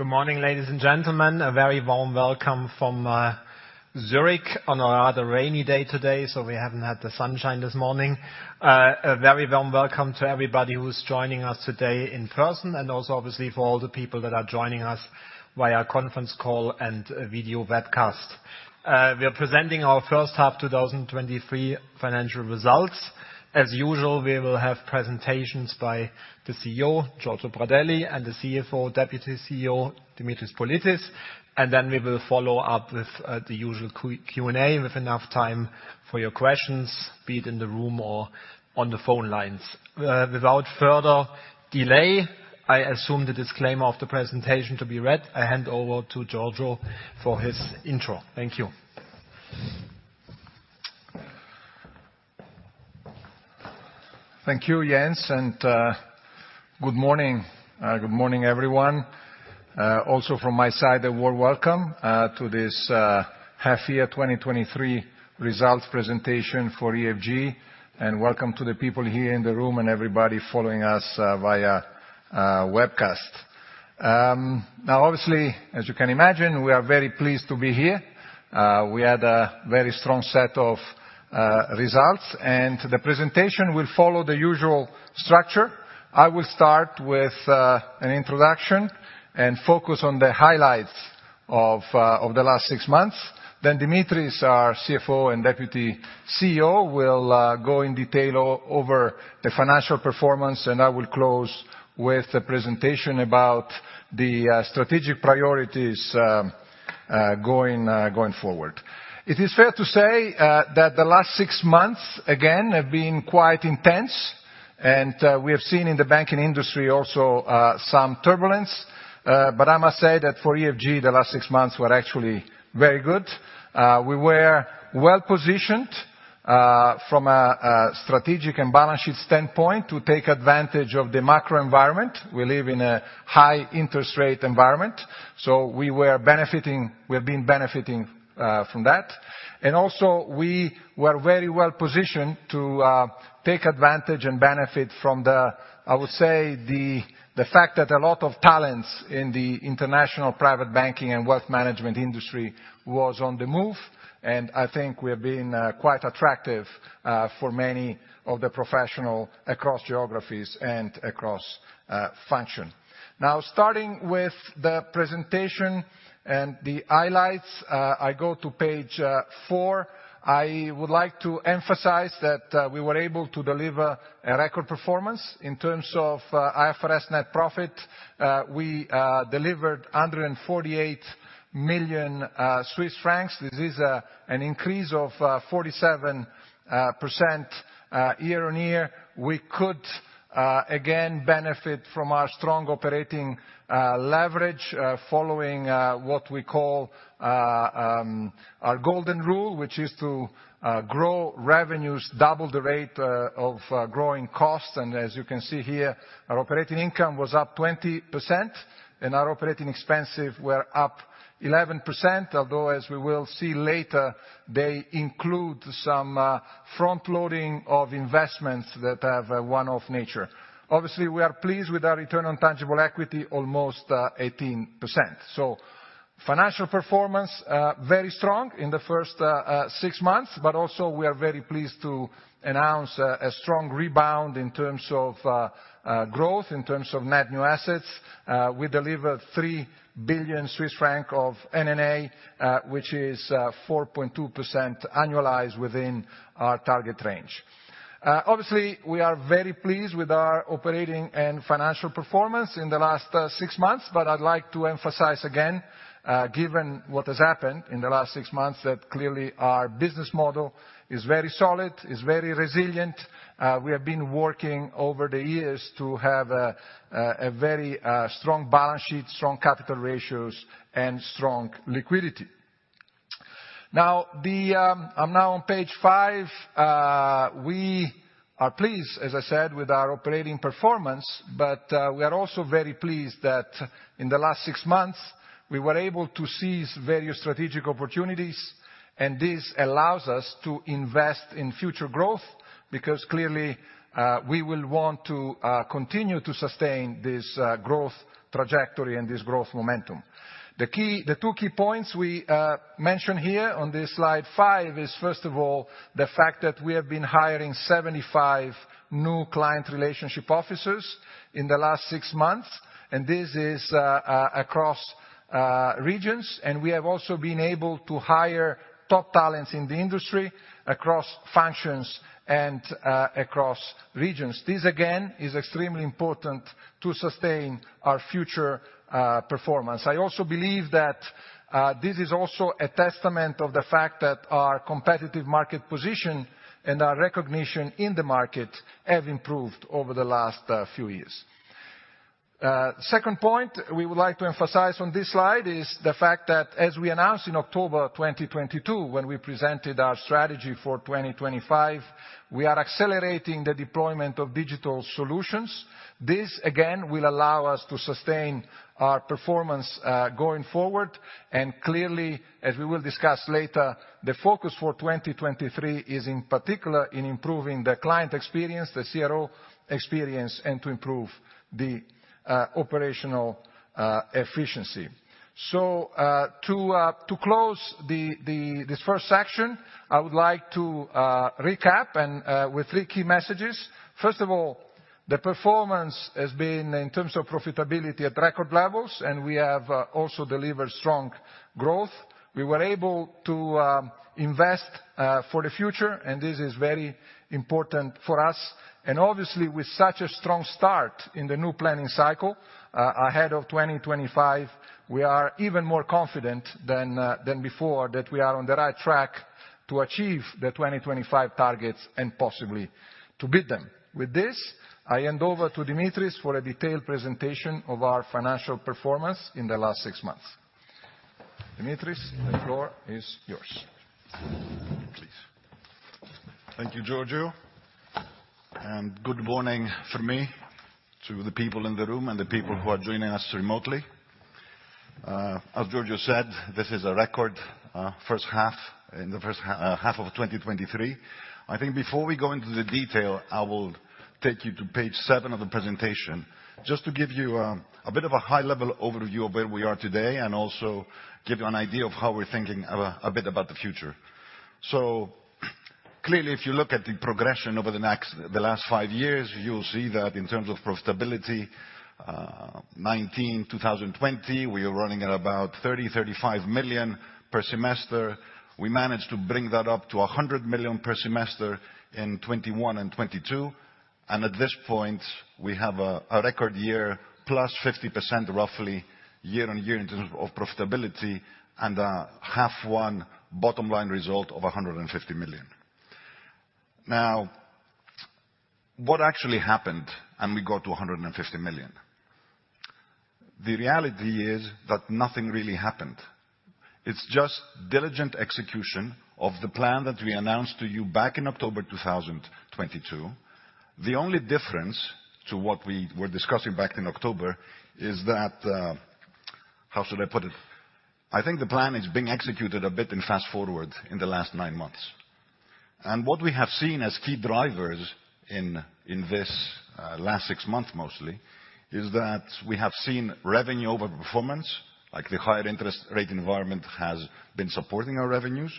Good morning, ladies and gentlemen. A very warm welcome from Zurich on a rather rainy day today, so we haven't had the sunshine this morning. A very warm welcome to everybody who is joining us today in person, and also obviously for all the people that are joining us via conference call and video webcast. We are presenting our first half 2023 financial results. As usual, we will have presentations by the CEO, Giorgio Pradelli, and the CFO, Deputy CEO, Dimitris Politis, and then we will follow up with the usual Q&A, with enough time for your questions, be it in the room or on the phone lines. Without further delay, I assume the disclaimer of the presentation to be read. I hand over to Giorgio for his intro. Thank you. Thank you, Jens. Good morning. Good morning, everyone. Also from my side, a warm welcome to this half year 2023 results presentation for EFG, and welcome to the people here in the room and everybody following us via webcast. Now, obviously, as you can imagine, we are very pleased to be here. We had a very strong set of results, and the presentation will follow the usual structure. I will start with an introduction and focus on the highlights of the last six months. Dimitris, our CFO and Deputy CEO, will go in detail over the financial performance, and I will close with a presentation about the strategic priorities going forward. It is fair to say, that the last six months, again, have been quite intense, and we have seen in the banking industry also, some turbulence. I must say that for EFG, the last six months were actually very good. We were well-positioned, from a strategic and balance sheet standpoint to take advantage of the macro environment. We live in a high interest rate environment, so we were benefiting, we have been benefiting, from that. Also, we were very well-positioned to take advantage and benefit from the, I would say, the fact that a lot of talents in the international private banking and wealth management industry was on the move, and I think we have been quite attractive, for many of the professional across geographies and across function. Starting with the presentation and the highlights, I go to page four. I would like to emphasize that we were able to deliver a record performance. In terms of IFRS net profit, we delivered 148 million Swiss francs. This is an increase of 47% year-on-year. We could again benefit from our strong operating leverage, following what we call our golden rule, which is to grow revenues, double the rate of growing costs. As you can see here, our operating income was up 20%, and our operating expenses were up 11%. Although, as we will see later, they include some front-loading of investments that have a one-off nature. Obviously, we are pleased with our return on tangible equity, almost 18%. Financial performance, very strong in the first six months, but also we are very pleased to announce a strong rebound in terms of growth, in terms of net new assets. We delivered 3 billion Swiss francs of NNA, which is 4.2% annualized within our target range. Obviously, we are very pleased with our operating and financial performance in the last six months, but I'd like to emphasize again, given what has happened in the last six months, that clearly our business model is very solid, is very resilient. We have been working over the years to have a very strong balance sheet, strong capital ratios, and strong liquidity. I'm now on page five. We are pleased, as I said, with our operating performance, but we are also very pleased that in the last six months, we were able to seize various strategic opportunities, and this allows us to invest in future growth, because clearly, we will want to continue to sustain this growth trajectory and this growth momentum. The two key points we mention here on this slide five is, first of all, the fact that we have been hiring 75 new Client Relationship Officers in the last six months, and this is across regions. We have also been able to hire top talents in the industry across functions and across regions. This, again, is extremely important to sustain our future performance. I also believe that, this is also a testament of the fact that our competitive market position and our recognition in the market have improved over the last few years. Second point we would like to emphasize on this slide is the fact that, as we announced in October 2022, when we presented our strategy for 2025, we are accelerating the deployment of digital solutions. This, again, will allow us to sustain our performance going forward. Clearly, as we will discuss later, the focus for 2023 is in particular in improving the client experience, the CRO experience, and to improve the operational efficiency. To close the this first section, I would like to recap and with three key messages. First of all, the performance has been, in terms of profitability, at record levels. We have also delivered strong growth. We were able to invest for the future, and this is very important for us. Obviously, with such a strong start in the new planning cycle, ahead of 2025, we are even more confident than before that we are on the right track to achieve the 2025 targets, and possibly to beat them. With this, I hand over to Dimitris for a detailed presentation of our financial performance in the last six months. Dimitris, the floor is yours. Please. Thank you, Giorgio. Good morning from me to the people in the room and the people who are joining us remotely. As Giorgio said, this is a record first half, in the first half of 2023. I think before we go into the detail, I will take you to page seven of the presentation, just to give you a bit of a high-level overview of where we are today, and also give you an idea of how we're thinking a bit about the future. Clearly, if you look at the progression over the last 5 years, you'll see that in terms of profitability, 2019, 2020, we are running at about 30-35 million per semester. We managed to bring that up to 100 million per semester in 2021 and 2022. At this point, we have a record year, +50%, roughly, year-on-year in terms of profitability and a half one bottom line result of 150 million. What actually happened and we got to 150 million? The reality is that nothing really happened. It's just diligent execution of the plan that we announced to you back in October 2022. The only difference to what we were discussing back in October is that, how should I put it? I think the plan is being executed a bit in fast forward in the last nine months. What we have seen as key drivers in this last six months, mostly, is that we have seen revenue over performance, like the higher interest rate environment has been supporting our revenues.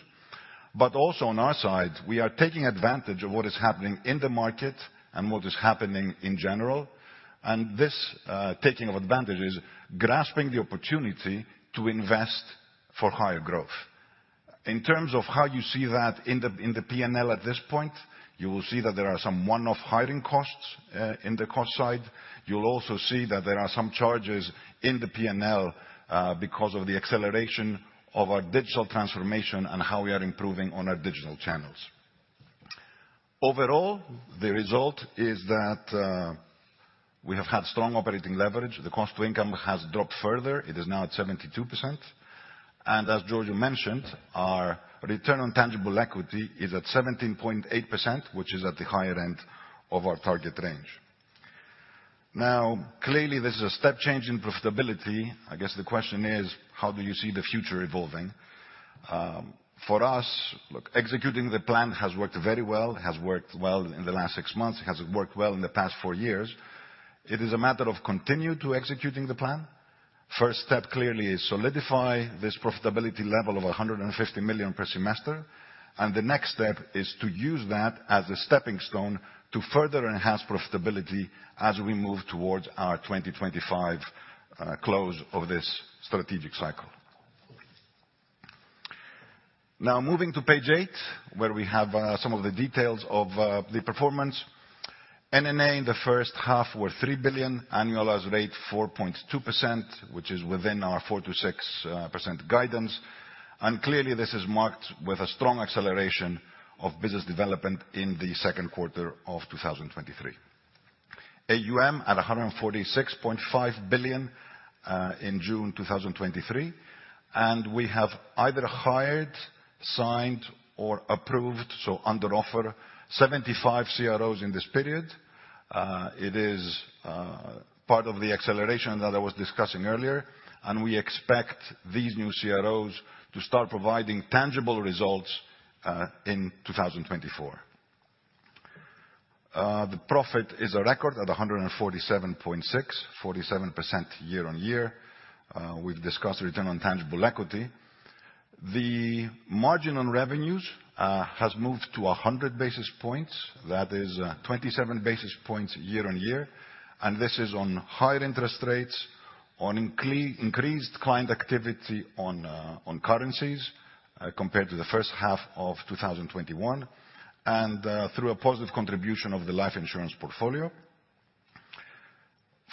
Also on our side, we are taking advantage of what is happening in the market and what is happening in general, and this taking of advantage is grasping the opportunity to invest for higher growth. In terms of how you see that in the P&L at this point, you will see that there are some one-off hiring costs in the cost side. You'll also see that there are some charges in the P&L because of the acceleration of our digital transformation and how we are improving on our digital channels. Overall, the result is that we have had strong operating leverage. The cost/income has dropped further. It is now at 72%. As Giorgio mentioned, our return on tangible equity is at 17.8%, which is at the higher end of our target range. Clearly, this is a step change in profitability. I guess the question is: how do you see the future evolving? For us, look, executing the plan has worked very well. It has worked well in the last six months. It has worked well in the past 4 years. It is a matter of continue to executing the plan. First step, clearly, is solidify this profitability level of 150 million per semester, and the next step is to use that as a stepping stone to further enhance profitability as we move towards our 2025 close of this strategic cycle. Now, moving to page eight, where we have some of the details of the performance. NNA in the first half were 3 billion, annualized rate, 4.2%, which is within our 4%-6% guidance. Clearly, this is marked with a strong acceleration of business development in the second quarter of 2023. AUM at 146.5 billion in June 2023. We have either hired, signed, or approved, so under offer, 75 CROs in this period. It is part of the acceleration that I was discussing earlier. We expect these new CROs to start providing tangible results in 2024. The profit is a record at 147.6 million, 47% year-on-year. We've discussed return on tangible equity. The margin on revenues has moved to 100 basis points. That is 27 basis points year on year, and this is on higher interest rates, on increased client activity on currencies, compared to the first half of 2021, and through a positive contribution of the life insurance portfolio.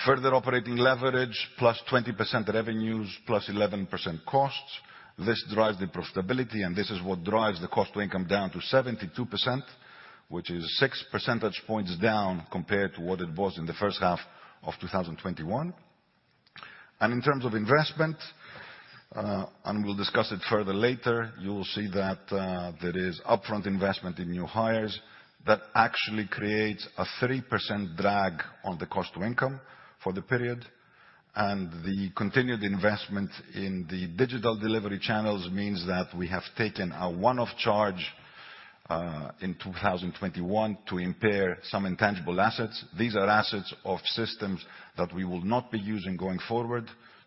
Further operating leverage, plus 20% revenues, plus 11% costs. This drives the profitability, and this is what drives the cost-to-income down to 72%, which is 6 percentage points down compared to what it was in the first half of 2021. In terms of investment, and we'll discuss it further later, you will see that there is upfront investment in new hires that actually creates a 3% drag on the cost-to-income for the period, and the continued investment in the digital delivery channels means that we have taken a one-off charge in 2021 to impair some intangible assets. These are assets of systems that we will not be using going forward.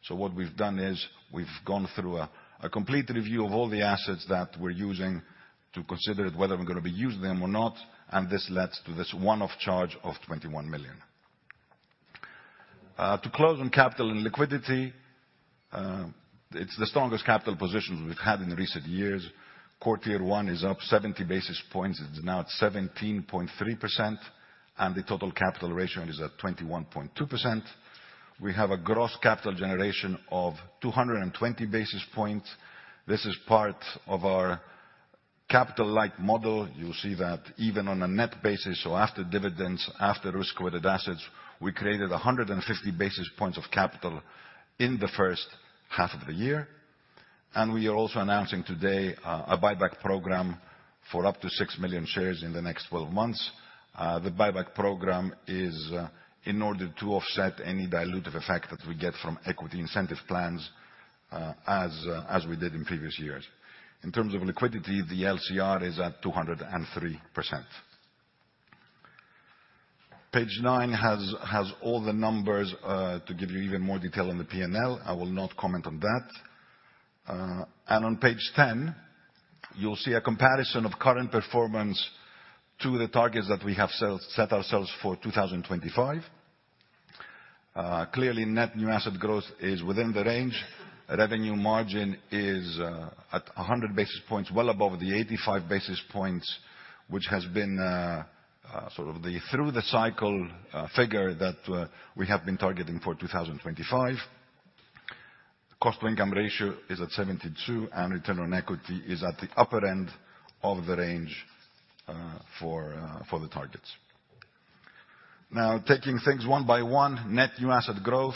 What we've done is we've gone through a complete review of all the assets that we're using to consider whether we're gonna be using them or not, and this led to this one-off charge of 21 million. To close on capital and liquidity, it's the strongest capital position we've had in recent years. CET1 is up 70 basis points, it's now at 17.3%, and the total capital ratio is at 21.2%. We have a gross capital generation of 220 basis points. This is part of our capital-light model. You'll see that even on a net basis, so after dividends, after risk-weighted assets, we created 150 basis points of capital in the first half of the year. We are also announcing today a buyback program for up to 6 million shares in the next 12 months. The buyback program is in order to offset any dilutive effect that we get from equity incentive plans, as we did in previous years. In terms of liquidity, the LCR is at 203%. Page nine has all the numbers to give you even more detail on the P&L. I will not comment on that. On page ten, you'll see a comparison of current performance to the targets that we have set ourselves for 2025. Clearly, net new asset growth is within the range. Revenue margin is at 100 basis points, well above the 85 basis points, which has been sort of the through-the-cycle figure that we have been targeting for 2025. Cost-to-income ratio is at 72%, and return on equity is at the upper end of the range for the targets. Now, taking things one by one, net new asset growth,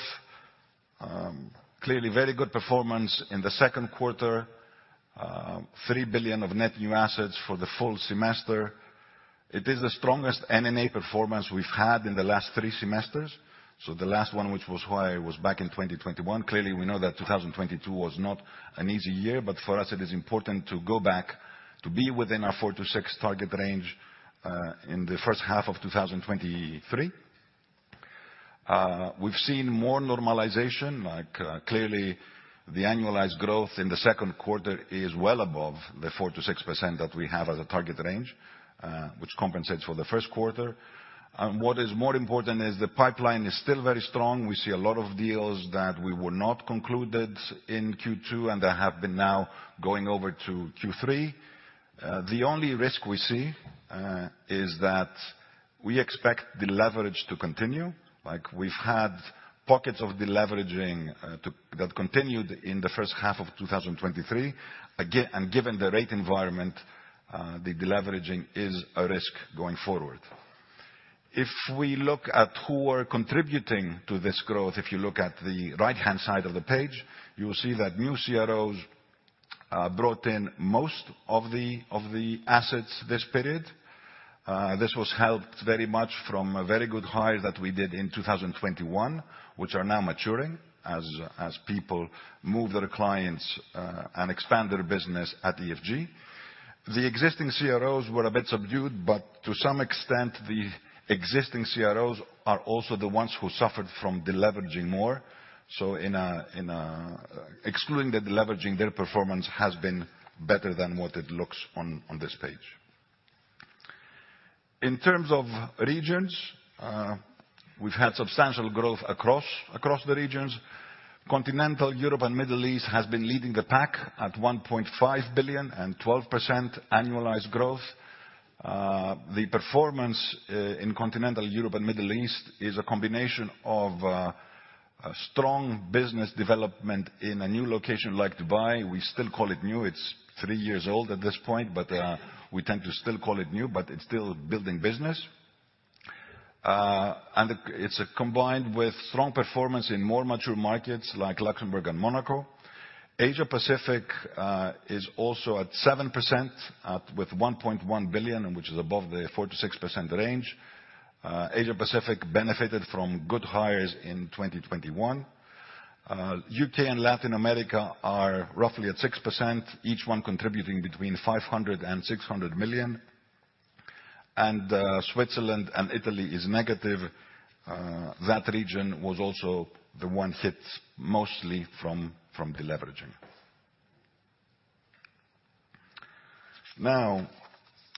clearly very good performance in the second quarter. 3 billion of net new assets for the full semester. It is the strongest NNA performance we've had in the last 3 semesters, so the last one, which was why it was back in 2021. Clearly, we know that 2022 was not an easy year, but for us, it is important to go back to be within our 4%-6% target range in the first half of 2023. We've seen more normalization, like, clearly the annualized growth in the second quarter is well above the 4%-6% that we have as a target range, which compensates for the first quarter. What is more important is the pipeline is still very strong. We see a lot of deals that we were not concluded in Q2, and that have been now going over to Q3. The only risk we see is that we expect the leverage to continue, like we've had pockets of deleveraging, that continued in the first half of 2023. Given the rate environment, the deleveraging is a risk going forward. If we look at who are contributing to this growth, if you look at the right-hand side of the page, you will see that new CROs brought in most of the, of the assets this period. This was helped very much from a very good hire that we did in 2021, which are now maturing as people move their clients, and expand their business at EFG. The existing CROs were a bit subdued, but to some extent, the existing CROs are also the ones who suffered from deleveraging more. In a, excluding the deleveraging, their performance has been better than what it looks on this page. In terms of regions, we've had substantial growth across the regions. Continental Europe and Middle East has been leading the pack at 1.5 billion and 12% annualized growth. The performance in Continental Europe and Middle East is a combination of a strong business development in a new location like Dubai. We still call it new. It's three years old at this point, but we tend to still call it new, but it's still building business. It's combined with strong performance in more mature markets like Luxembourg and Monaco. Asia Pacific is also at 7%, with 1.1 billion, which is above the 4%-6% range. Asia Pacific benefited from good hires in 2021. UK and Latin America are roughly at 6%, each one contributing between 500 million and 600 million. Switzerland and Italy is negative. That region was also the one hit mostly from deleveraging.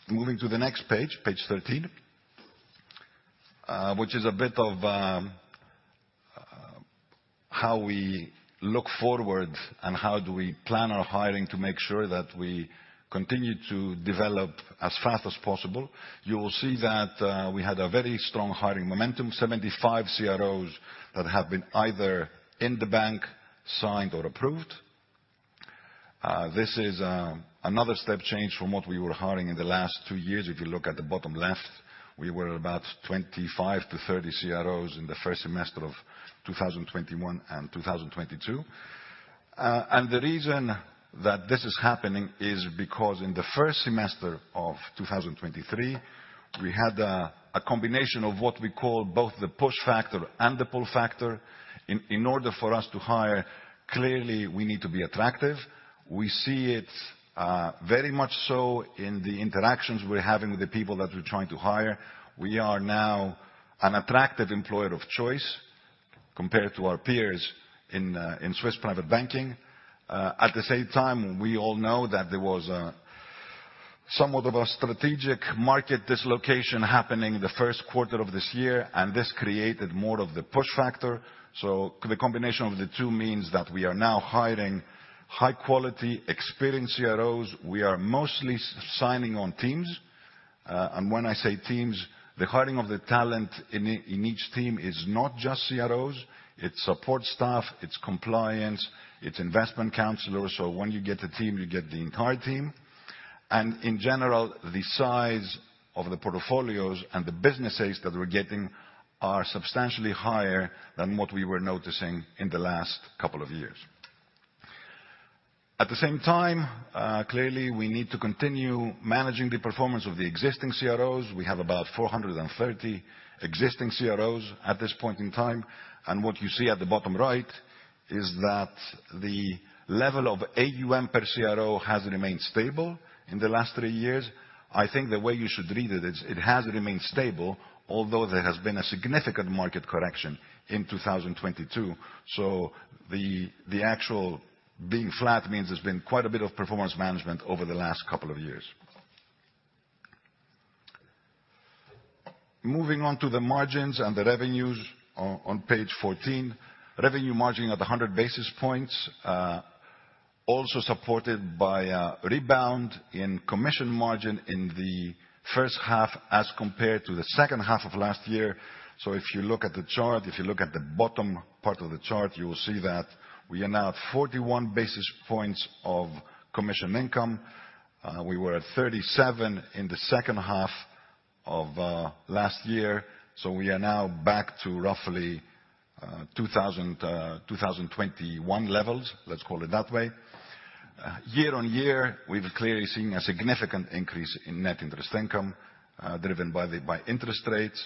Moving to the next page, page 13, which is a bit of how we look forward and how do we plan our hiring to make sure that we continue to develop as fast as possible. You will see that we had a very strong hiring momentum, 75 CROs that have been either in the bank, signed, or approved. This is another step change from what we were hiring in the last two years. If you look at the bottom left, we were about 25-30 CROs in the first semester of 2021 and 2022. The reason that this is happening is because in the first semester of 2023, we had a combination of what we call both the push factor and the pull factor. In order for us to hire, clearly, we need to be attractive. We see it very much so in the interactions we're having with the people that we're trying to hire. We are now an attractive employer of choice compared to our peers in Swiss private banking. At the same time, we all know that there was somewhat of a strategic market dislocation happening in the first quarter of this year, and this created more of the push factor. The combination of the two means that we are now hiring high-quality, experienced CROs. We are mostly signing on teams. And when I say teams, the hiring of the talent in each team is not just CROs, it's support staff, it's compliance, it's investment counselors. When you get a team, you get the entire team. In general, the size of the portfolios and the businesses that we're getting are substantially higher than what we were noticing in the last couple of years. At the same time, clearly, we need to continue managing the performance of the existing CROs. We have about 430 existing CROs at this point in time, and what you see at the bottom right is that the level of AUM per CRO has remained stable in the last three years. I think the way you should read it is, it has remained stable, although there has been a significant market correction in 2022. The actual being flat means there's been quite a bit of performance management over the last couple of years. Moving on to the margins and the revenues on page 14. Revenue margin at 100 basis points, also supported by a rebound in commission margin in the first half as compared to the second half of last year. If you look at the chart, if you look at the bottom part of the chart, you will see that we are now at 41 basis points of commission income. We were at 37 in the second half of last year, so we are now back to roughly 2021 levels. Let's call it that way. Year-on-year, we've clearly seen a significant increase in net interest income, driven by interest rates.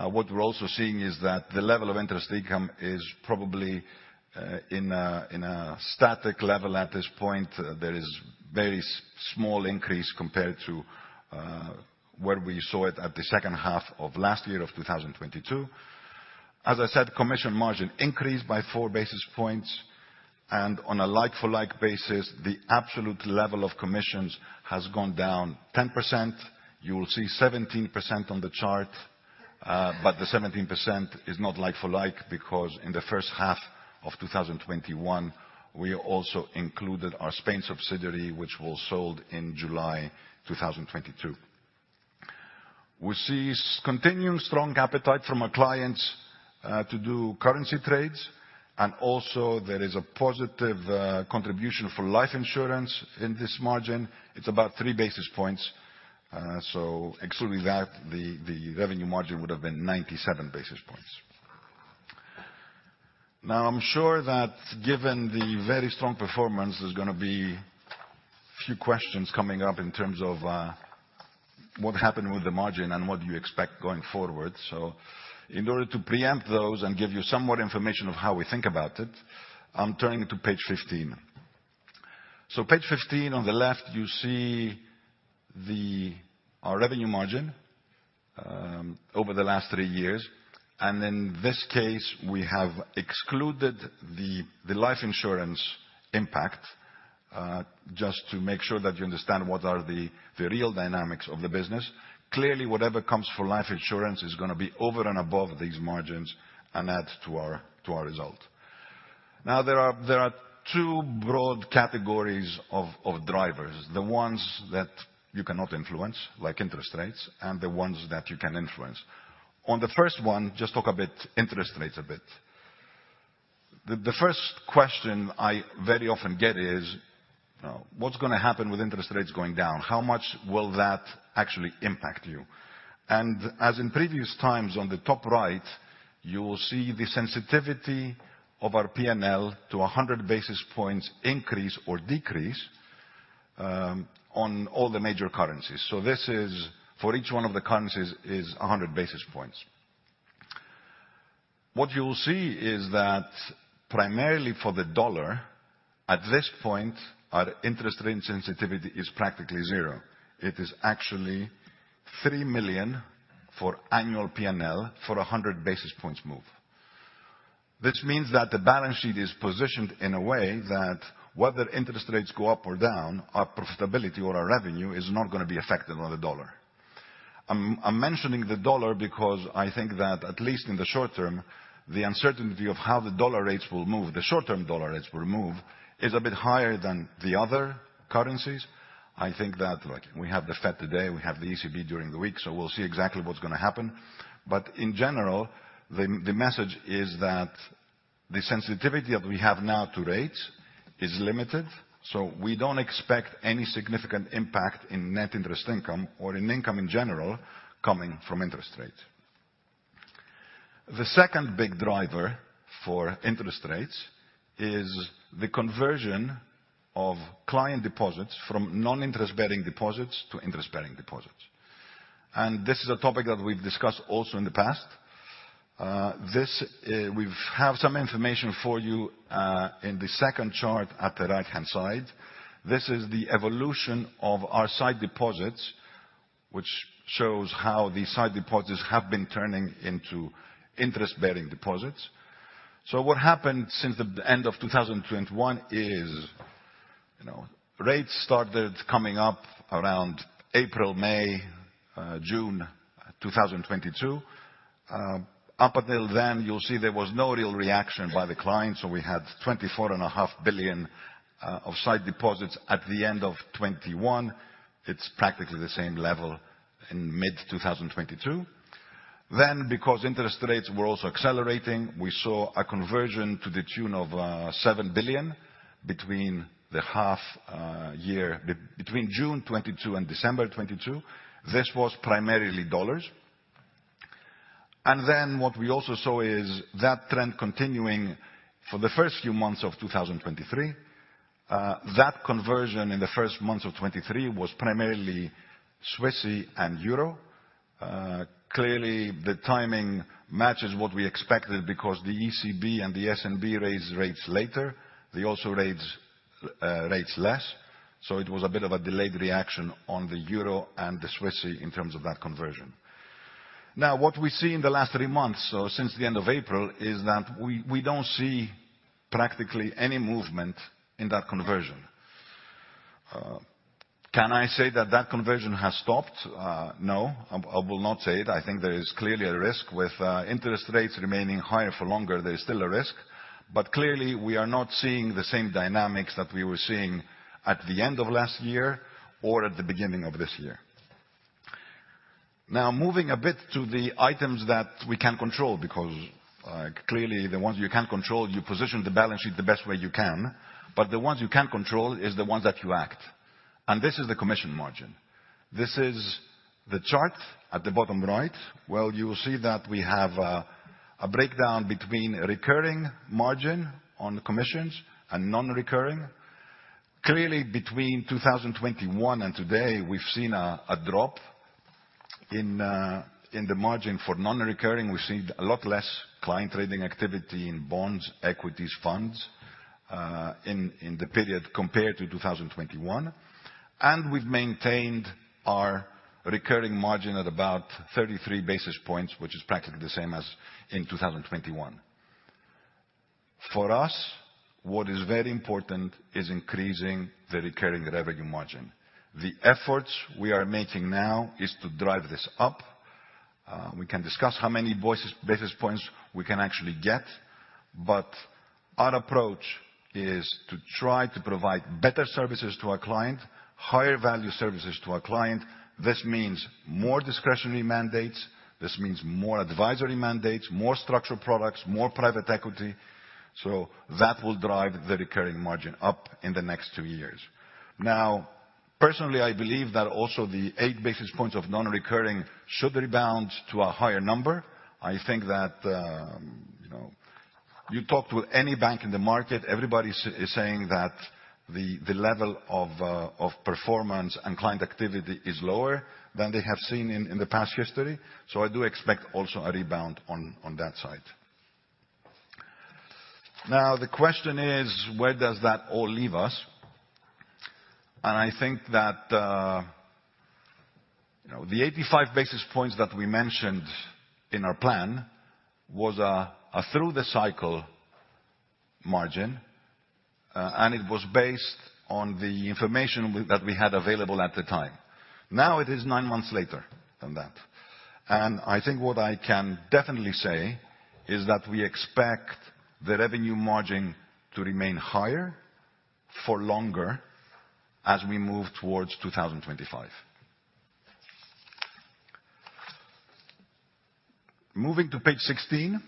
What we're also seeing is that the level of interest income is probably in a static level at this point. There is very small increase compared to where we saw it at the second half of last year, of 2022. As I said, commission margin increased by 4 basis points, and on a like-for-like basis, the absolute level of commissions has gone down 10%. You will see 17% on the chart, but the 17% is not like-for-like, because in the first half of 2021, we also included our Spain subsidiary, which was sold in July 2022. We see continuing strong appetite from our clients to do currency trades, and also there is a positive contribution for life insurance in this margin. It's about 3 basis points. Excluding that, the revenue margin would have been 97 basis points. I'm sure that given the very strong performance, there's gonna be a few questions coming up in terms of what happened with the margin and what do you expect going forward. In order to preempt those and give you somewhat information of how we think about it, I'm turning to page 15. Page 15, on the left, you see our revenue margin over the last 3 years, and in this case, we have excluded the life insurance impact just to make sure that you understand what are the real dynamics of the business. Clearly, whatever comes for life insurance is gonna be over and above these margins and add to our result. Now, there are two broad categories of drivers, the ones that you cannot influence, like interest rates, and the ones that you can influence. On the first one, just talk a bit, interest rates a bit. The first question I very often get is: What's gonna happen with interest rates going down? How much will that actually impact you? As in previous times, on the top right, you will see the sensitivity of our P&L to a 100 basis points increase or decrease on all the major currencies. This is, for each one of the currencies, is a 100 basis points. What you will see is that primarily for the dollar, at this point, our interest rate sensitivity is practically zero. It is actually 3 million for annual P&L for 100 basis points move. This means that the balance sheet is positioned in a way that whether interest rates go up or down, our profitability or our revenue is not gonna be affected on the dollar. I'm mentioning the dollar because I think that, at least in the short term, the uncertainty of how the dollar rates will move, the short-term dollar rates will move, is a bit higher than the other currencies. I think that, like, we have the Fed today, we have the ECB during the week, so we'll see exactly what's gonna happen. In general, the message is that the sensitivity that we have now to rates is limited, so we don't expect any significant impact in net interest income or in income in general coming from interest rates. The second big driver for interest rates is the conversion of client deposits from non-interest-bearing deposits to interest-bearing deposits. This is a topic that we've discussed also in the past. We have some information for you in the second chart at the right-hand side. This is the evolution of our sight deposits, which shows how the sight deposits have been turning into interest-bearing deposits. What happened since the end of 2021 is, you know, rates started coming up around April, May, June 2022. Up until then, you'll see there was no real reaction by the client. We had 24.5 billion of sight deposits at the end of 2021. It's practically the same level in mid-2022. Because interest rates were also accelerating, we saw a conversion to the tune of $7 billion between the half year between June 2022 and December 2022. This was primarily dollars. What we also saw is that trend continuing for the first few months of 2023. That conversion in the first months of 2023 was primarily Swissy and Euro. The timing matches what we expected because the ECB and the SNB raised rates later. They also raised rates less, so it was a bit of a delayed reaction on the Euro and the Swissy in terms of that conversion. What we see in the last three months, so since the end of April, is that we don't see practically any movement in that conversion. Can I say that that conversion has stopped? No, I will not say it. I think there is clearly a risk with interest rates remaining higher for longer, there is still a risk. Clearly, we are not seeing the same dynamics that we were seeing at the end of last year or at the beginning of this year. Now, moving a bit to the items that we can control, because clearly, the ones you can't control, you position the balance sheet the best way you can, but the ones you can control is the ones that you act. This is the commission margin. This is the chart at the bottom right, where you will see that we have a breakdown between recurring margin on commissions and non-recurring. Clearly, between 2021 and today, we've seen a drop in the margin for non-recurring. We've seen a lot less client trading activity in bonds, equities, funds, in the period compared to 2021, and we've maintained our recurring margin at about 33 basis points, which is practically the same as in 2021. For us, what is very important is increasing the recurring revenue margin. The efforts we are making now is to drive this up. We can discuss how many basis points we can actually get, but our approach is to try to provide better services to our client, higher value services to our client. This means more discretionary mandates. This means more advisory mandates, more structured products, more private equity. That will drive the recurring margin up in the next two years. Personally, I believe that also the 8 basis points of non-recurring should rebound to a higher number. I think that, you know, you talked with any bank in the market, everybody's saying that the level of performance and client activity is lower than they have seen in the past history. I do expect also a rebound on that side. The question is: where does that all leave us? I think that, you know, the 85 basis points that we mentioned in our plan was a through-the-cycle margin, and it was based on the information that we had available at the time. It is 9 months later than that, and I think what I can definitely say is that we expect the revenue margin to remain higher for longer as we move towards 2025. Moving to page 16,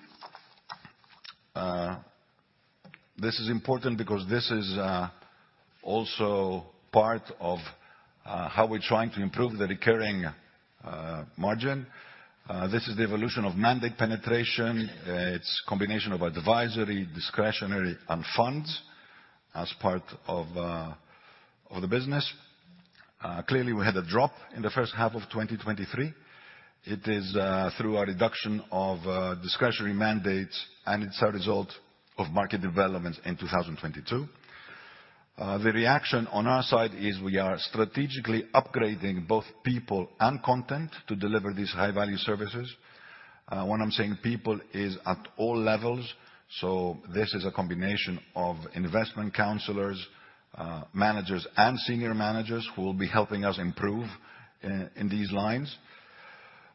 this is important because this is also part of how we're trying to improve the recurring margin. This is the evolution of mandate penetration. It's combination of advisory, discretionary, and funds as part of the business. Clearly, we had a drop in the first half of 2023. It is through a reduction of discretionary mandates, and it's a result of market developments in 2022. The reaction on our side is we are strategically upgrading both people and content to deliver these high-value services. When I'm saying people, is at all levels, so this is a combination of investment counselors, managers, and senior managers who will be helping us improve in these lines.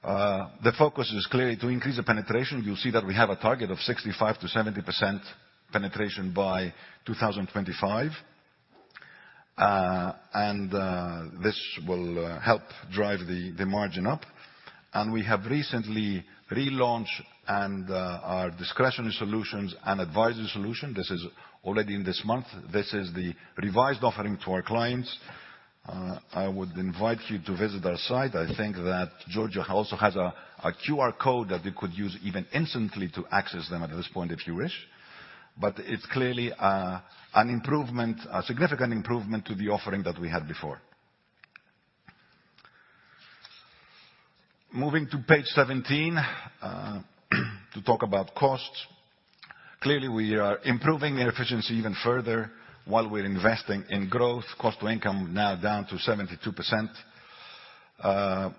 The focus is clearly to increase the penetration. You'll see that we have a target of 65%-70% penetration by 2025, and this will help drive the margin up. We have recently relaunched our discretionary solutions and advisory solution. This is already in this month. This is the revised offering to our clients. I would invite you to visit our site. I think that Giorgio also has a QR code that you could use even instantly to access them at this point, if you wish. It's clearly an improvement, a significant improvement to the offering that we had before. Moving to page 17 to talk about costs. Clearly, we are improving our efficiency even further while we're investing in growth. Cost-to-income now down to 72%.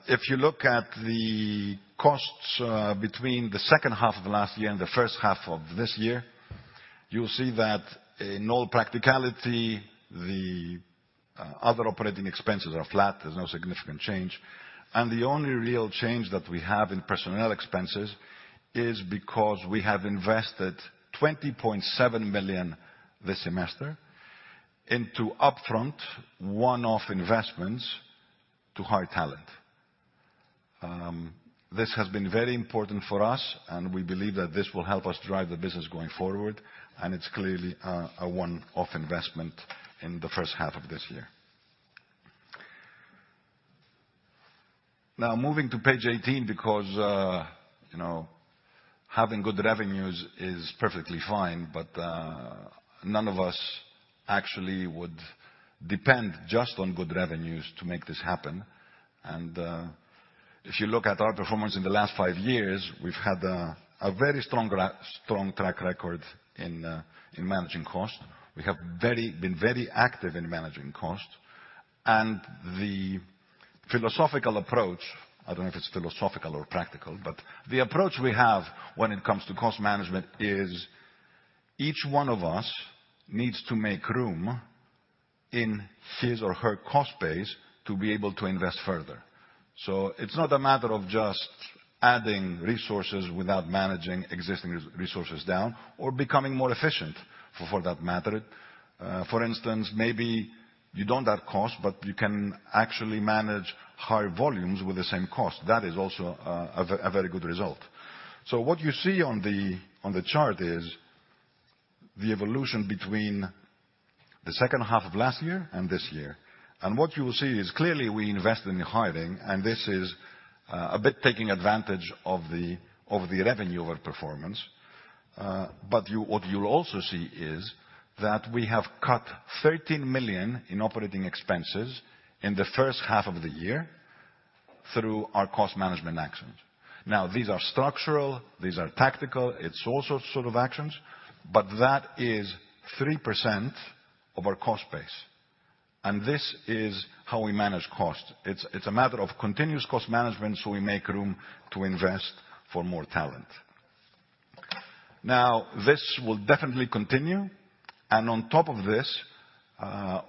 If you look at the costs, between the second half of last year and the first half of this year, you'll see that in all practicality, the other operating expenses are flat. There's no significant change. The only real change that we have in personnel expenses is because we have invested 20.7 million this semester into upfront, one-off investments to hire talent. This has been very important for us, and we believe that this will help us drive the business going forward, and it's clearly, a one-off investment in the first half of this year. Moving to page 18, because, you know, having good revenues is perfectly fine, but none of us actually would depend just on good revenues to make this happen. If you look at our performance in the last five years, we've had a very strong track record in managing costs. We have been very active in managing costs. The philosophical approach, I don't know if it's philosophical or practical, but the approach we have when it comes to cost management is each one of us needs to make room in his or her cost base to be able to invest further. It's not a matter of just adding resources without managing existing resources down or becoming more efficient, for that matter. For instance, maybe you don't add cost, but you can actually manage higher volumes with the same cost. That is also a very good result. What you see on the, on the chart is the evolution between the second half of last year and this year. What you will see is clearly we invested in hiring, and this is a bit taking advantage of the, of the revenue over performance. What you'll also see is that we have cut 13 million in operating expenses in the first half of the year through our cost management actions. These are structural, these are tactical, it's all sort of actions, but that is 3% of our cost base. This is how we manage cost. It's a matter of continuous cost management, so we make room to invest for more talent. This will definitely continue, and on top of this,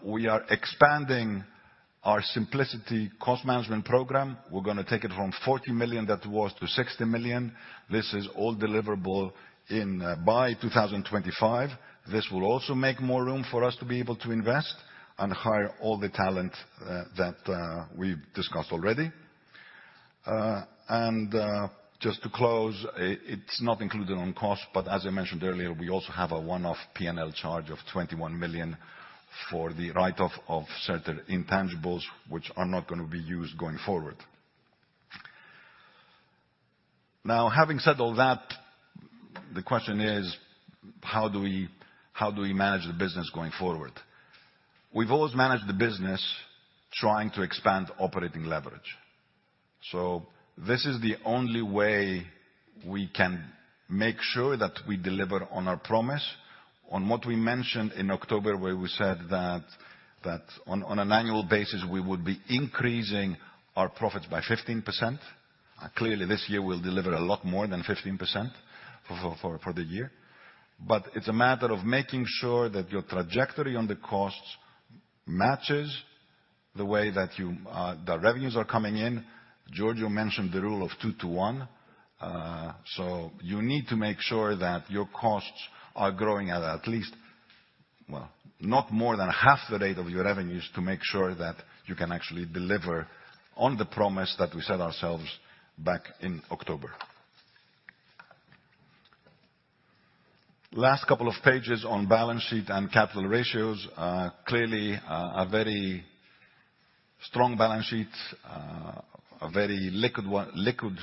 we are expanding our Simplicity cost management program. We're gonna take it from 40 million that it was to 60 million. This is all deliverable in by 2025. This will also make more room for us to be able to invest and hire all the talent that we've discussed already. Just to close, it's not included on cost, but as I mentioned earlier, we also have a one-off P&L charge of 21 million for the write-off of certain intangibles, which are not gonna be used going forward. Having said all that, the question is: How do we manage the business going forward? We've always managed the business trying to expand operating leverage. This is the only way we can make sure that we deliver on our promise, on what we mentioned in October, where we said that on an annual basis, we would be increasing our profits by 15%. Clearly, this year, we'll deliver a lot more than 15% for the year. It's a matter of making sure that your trajectory on the costs matches the way that you, the revenues are coming in. Giorgio mentioned the rule of two to one. You need to make sure that your costs are growing at least, well, not more than half the rate of your revenues, to make sure that you can actually deliver on the promise that we set ourselves back in October. Last couple of pages on balance sheet and capital ratios. Clearly, a very strong balance sheet, a very liquid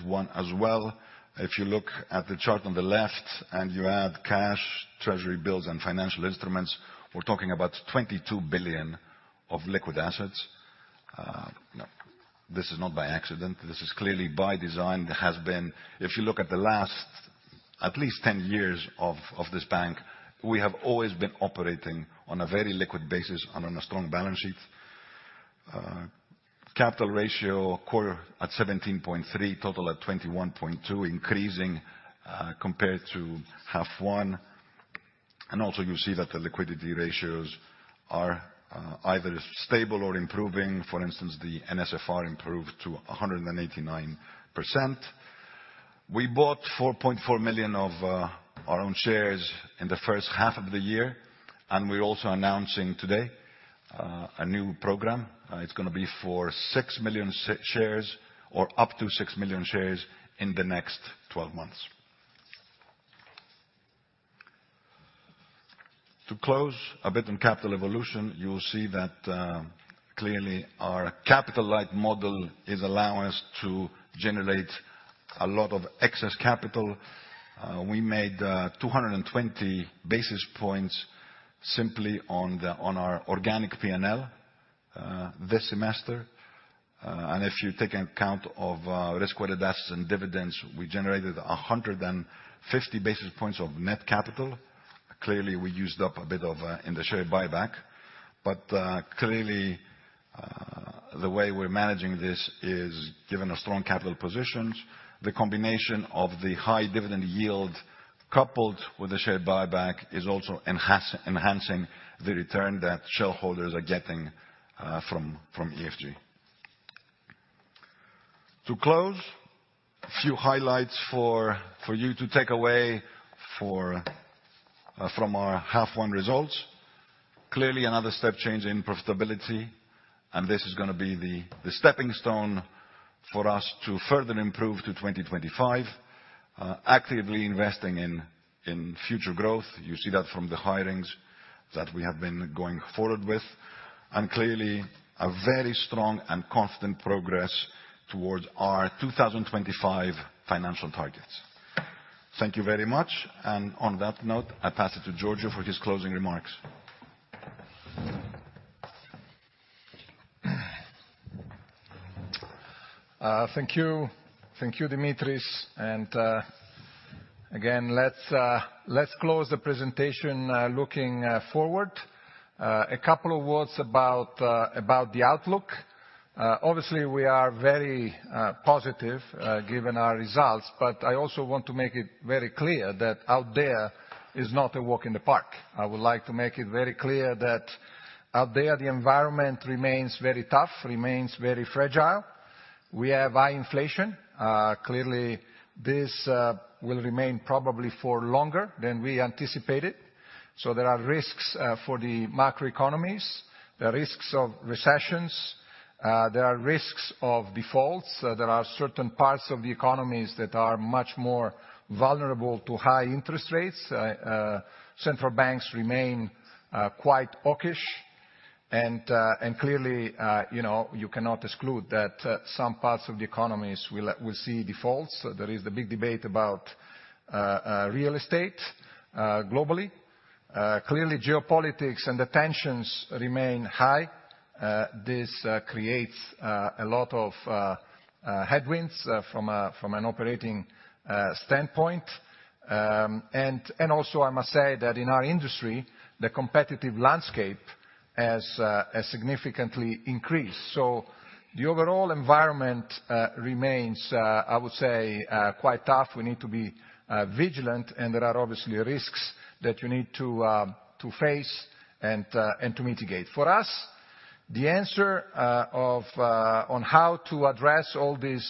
one as well. If you look at the chart on the left and you add cash, treasury bills, and financial instruments, we're talking about 22 billion of liquid assets. No, this is not by accident. This is clearly by design. If you look at the last, at least 10 years of this bank, we have always been operating on a very liquid basis and on a strong balance sheet. Capital ratio, quarter at 17.3%, total at 21.2%, increasing compared to half 1. Also, you see that the liquidity ratios are either stable or improving. For instance, the NSFR improved to 189%. We bought 4.4 million of our own shares in the first half of the year, and we're also announcing today a new program. It's gonna be for 6 million shares or up to 6 million shares in the next 12 months. To close a bit on capital evolution, you will see that clearly, our capital-light model is allowing us to generate a lot of excess capital. We made 220 basis points simply on the, on our organic P&L this semester. If you take account of risk-weighted assets and dividends, we generated 150 basis points of net capital. Clearly, we used up a bit of in the share buyback. Clearly, the way we're managing this is given our strong capital positions, the combination of the high dividend yield coupled with the share buyback is also enhancing the return that shareholders are getting from EFG. To close, a few highlights for you to take away from our half one results. Clearly, another step change in profitability. This is gonna be the stepping stone for us to further improve to 2025. Actively investing in future growth, you see that from the hirings that we have been going forward with. Clearly a very strong and confident progress towards our 2025 financial targets. Thank you very much. On that note, I pass it to Giorgio for his closing remarks. Thank you. Thank you, Dimitris. Again, let's close the presentation looking forward. A couple of words about the outlook. Obviously, we are very positive given our results. I also want to make it very clear that out there is not a walk in the park. I would like to make it very clear that out there, the environment remains very tough, remains very fragile. We have high inflation. Clearly, this will remain probably for longer than we anticipated. There are risks for the macroeconomies. There are risks of recessions. There are risks of defaults. There are certain parts of the economies that are much more vulnerable to high interest rates. Central banks remain quite hawkish. Clearly, you know, you cannot exclude that some parts of the economies will see defaults. There is the big debate about real estate globally. Clearly, geopolitics and the tensions remain high. This creates a lot of headwinds from an operating standpoint. Also, I must say that in our industry, the competitive landscape has significantly increased. The overall environment remains, I would say, quite tough. We need to be vigilant, and there are obviously risks that you need to face and to mitigate. For us, the answer of on how to address all these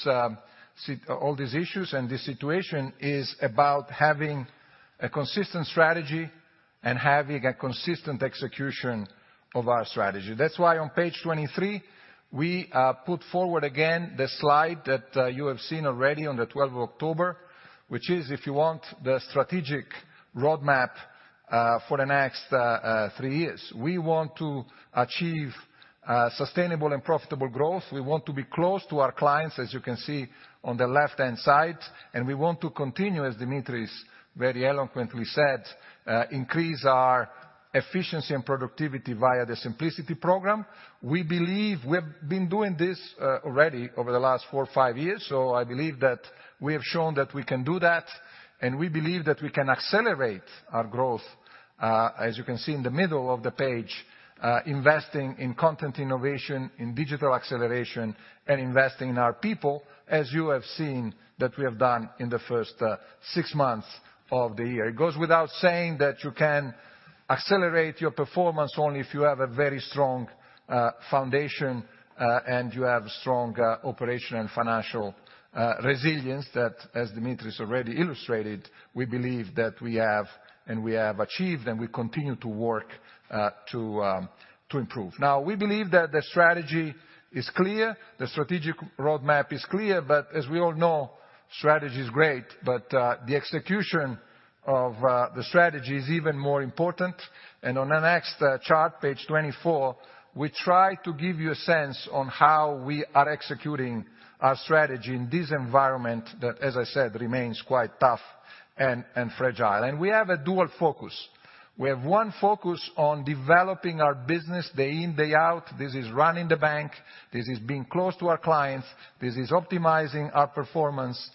issues and this situation, is about having a consistent strategy and having a consistent execution of our strategy. That's why on page 23, we put forward again the slide that you have seen already on the 12th of October, which is, if you want, the strategic roadmap for the next three years. We want to achieve sustainable and profitable growth. We want to be close to our clients, as you can see on the left-hand side, and we want to continue, as Dimitris very eloquently said, increase our efficiency and productivity via the Simplicity program. We believe we've been doing this already over the last four, five years. I believe that we have shown that we can do that. We believe that we can accelerate our growth, as you can see in the middle of the page, investing in content innovation, in digital acceleration, and investing in our people, as you have seen that we have done in the first six months of the year. It goes without saying that you can accelerate your performance only if you have a very strong foundation, and you have strong operational and financial resilience, that, as Dimitris already illustrated, we believe that we have, and we have achieved, and we continue to work to improve. We believe that the strategy is clear, the strategic roadmap is clear, but the execution of the strategy is even more important. On the next chart, page 24, we try to give you a sense on how we are executing our strategy in this environment that, as I said, remains quite tough and fragile. We have a dual focus. We have one focus on developing our business day in, day out. This is running the bank, this is being close to our clients, this is optimizing our performance,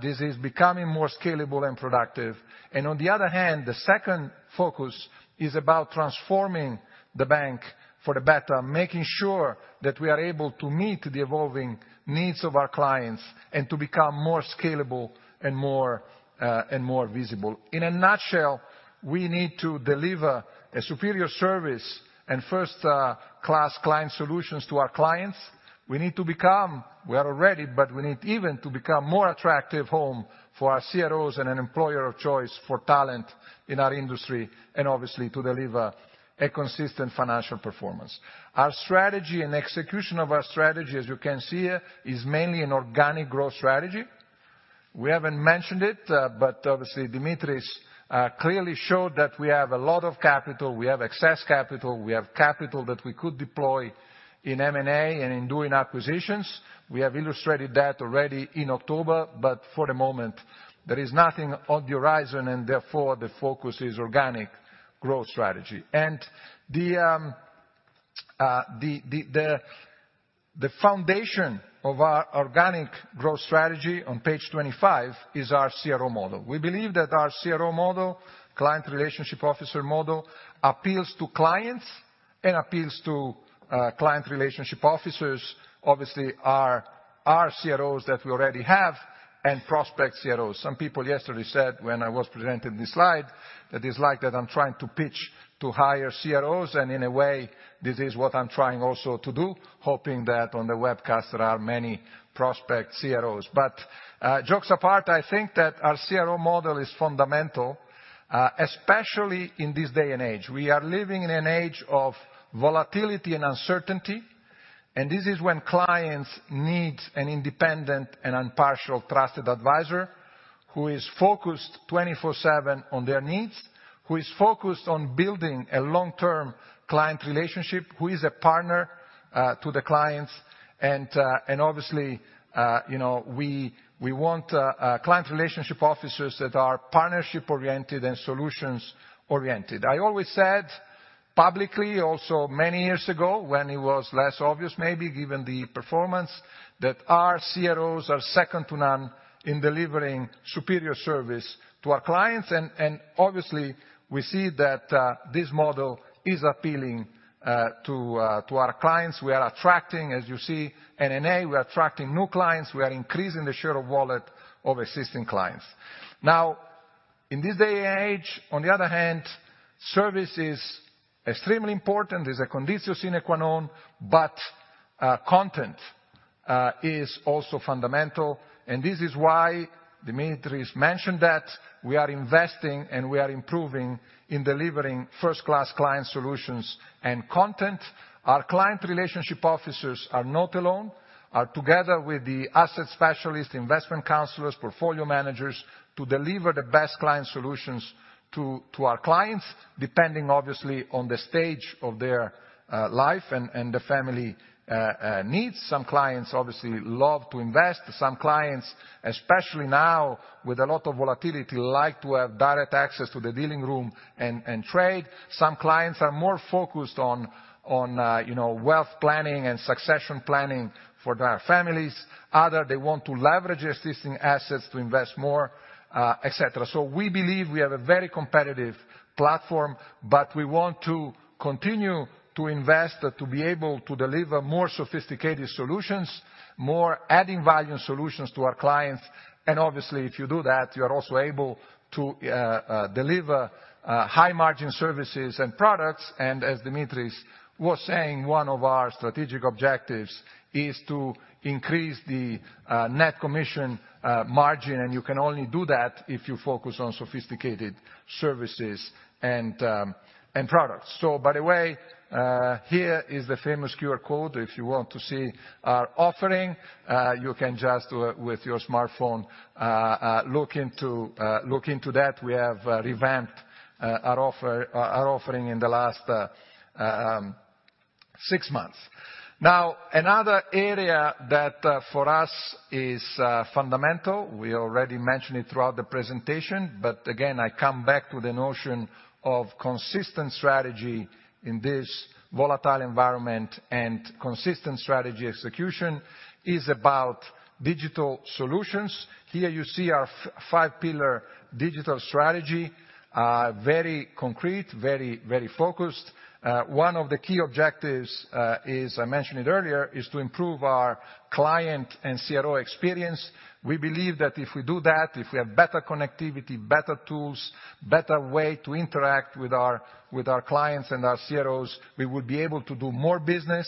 this is becoming more scalable and productive. On the other hand, the second focus is about transforming the bank for the better, making sure that we are able to meet the evolving needs of our clients and to become more scalable and more and more visible. In a nutshell, we need to deliver a superior service and first-class client solutions to our clients. We are already, but we need even to become more attractive home for our CROs and an employer of choice for talent in our industry, obviously to deliver a consistent financial performance. Our strategy and execution of our strategy, as you can see, is mainly an organic growth strategy. Obviously, Dimitris clearly showed that we have a lot of capital, we have excess capital. We have capital that we could deploy in M&A and in doing acquisitions. We have illustrated that already in October. For the moment, there is nothing on the horizon. Therefore, the focus is organic growth strategy. The foundation of our organic growth strategy on page 25, is our CRO model. We believe that our CRO model, client relationship officer model, appeals to clients and appeals to client relationship officers, obviously, our CROs that we already have, and prospect CROs. Some people yesterday said, when I was presenting this slide, that it's like that I'm trying to pitch to hire CROs. In a way, this is what I'm trying also to do, hoping that on the webcast there are many prospect CROs. Jokes apart, I think that our CRO model is fundamental, especially in this day and age. We are living in an age of volatility and uncertainty. This is when clients need an independent and impartial trusted advisor, who is focused 24/7 on their needs, who is focused on building a long-term client relationship, who is a partner to the clients, and obviously, you know, we want client relationship officers that are partnership-oriented and solutions-oriented. I always said publicly, also many years ago, when it was less obvious, maybe, given the performance, that our CROs are second to none in delivering superior service to our clients. Obviously, we see that this model is appealing to our clients. We are attracting, as you see, NNA, we are attracting new clients. We are increasing the share of wallet of existing clients. In this day and age, on the other hand, service is extremely important, is a conditio sine qua non, but content is also fundamental, and this is why Dimitris mentioned that we are investing and we are improving in delivering first-class client solutions and content. Our client relationship officers are not alone, are together with the asset specialist, investment counselors, portfolio managers, to deliver the best client solutions to our clients, depending, obviously, on the stage of their life and the family needs. Some clients obviously love to invest. Some clients, especially now with a lot of volatility, like to have direct access to the dealing room and trade. Some clients are more focused on, you know, wealth planning and succession planning for their families. Other, they want to leverage existing assets to invest more, et cetera. We believe we have a very competitive platform, but we want to continue to invest to be able to deliver more sophisticated solutions, more adding value solutions to our clients, and obviously, if you do that, you are also able to deliver high margin services and products. As Dimitris was saying, one of our strategic objectives is to increase the net commission margin, and you can only do that if you focus on sophisticated services and products. By the way, here is the famous QR code. If you want to see our offering, you can just do it with your smartphone, look into that. We have revamped our offer, our offering in the last six months. Another area that for us is fundamental, we already mentioned it throughout the presentation. Again, I come back to the notion of consistent strategy in this volatile environment. Consistent strategy execution is about digital solutions. Here you see our five-pillar digital strategy. Very concrete, very, very focused. One of the key objectives is, I mentioned it earlier, is to improve our client and CRO experience. We believe that if we do that, if we have better connectivity, better tools, better way to interact with our clients and our CROs, we will be able to do more business.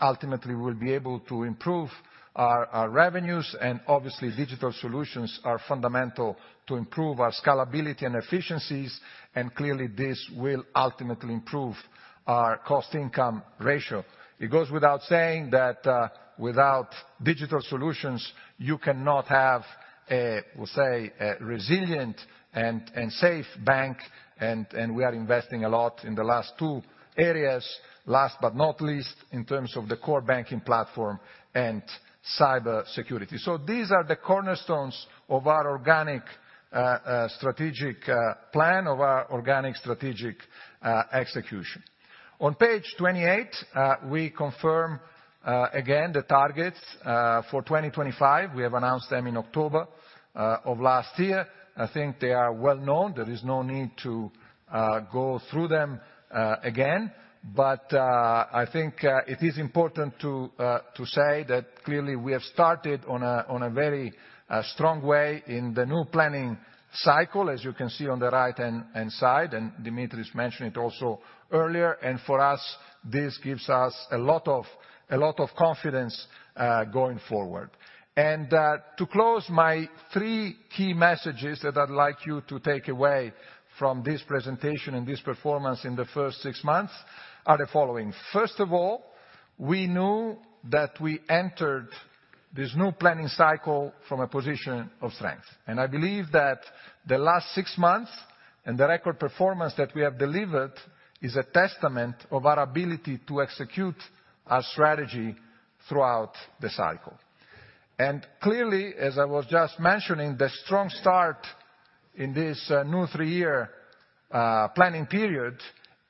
Ultimately, we'll be able to improve our revenues. Obviously, digital solutions are fundamental to improve our scalability and efficiencies. Clearly, this will ultimately improve our cost-income ratio. It goes without saying that, without digital solutions, you cannot have a, we'll say, a resilient and safe bank, and we are investing a lot in the last two areas. Last but not least, in terms of the core banking platform and cyber security. These are the cornerstones of our organic strategic plan, of our organic strategic execution. On page 28, we confirm again, the targets for 2025. We have announced them in October of last year. I think they are well known. There is no need to go through them again, but I think it is important to say that clearly, we have started on a on a very strong way in the new planning cycle, as you can see on the right hand and side, and Dimitris Politis mentioned it also earlier, and for us, this gives us a lot of confidence going forward. To close, my three key messages that I'd like you to take away from this presentation and this performance in the first six months are the following: First of all, we knew that we entered this new planning cycle from a position of strength. I believe that the last six months, and the record performance that we have delivered, is a testament of our ability to execute our strategy throughout the cycle. Clearly, as I was just mentioning, the strong start in this new three-year planning period,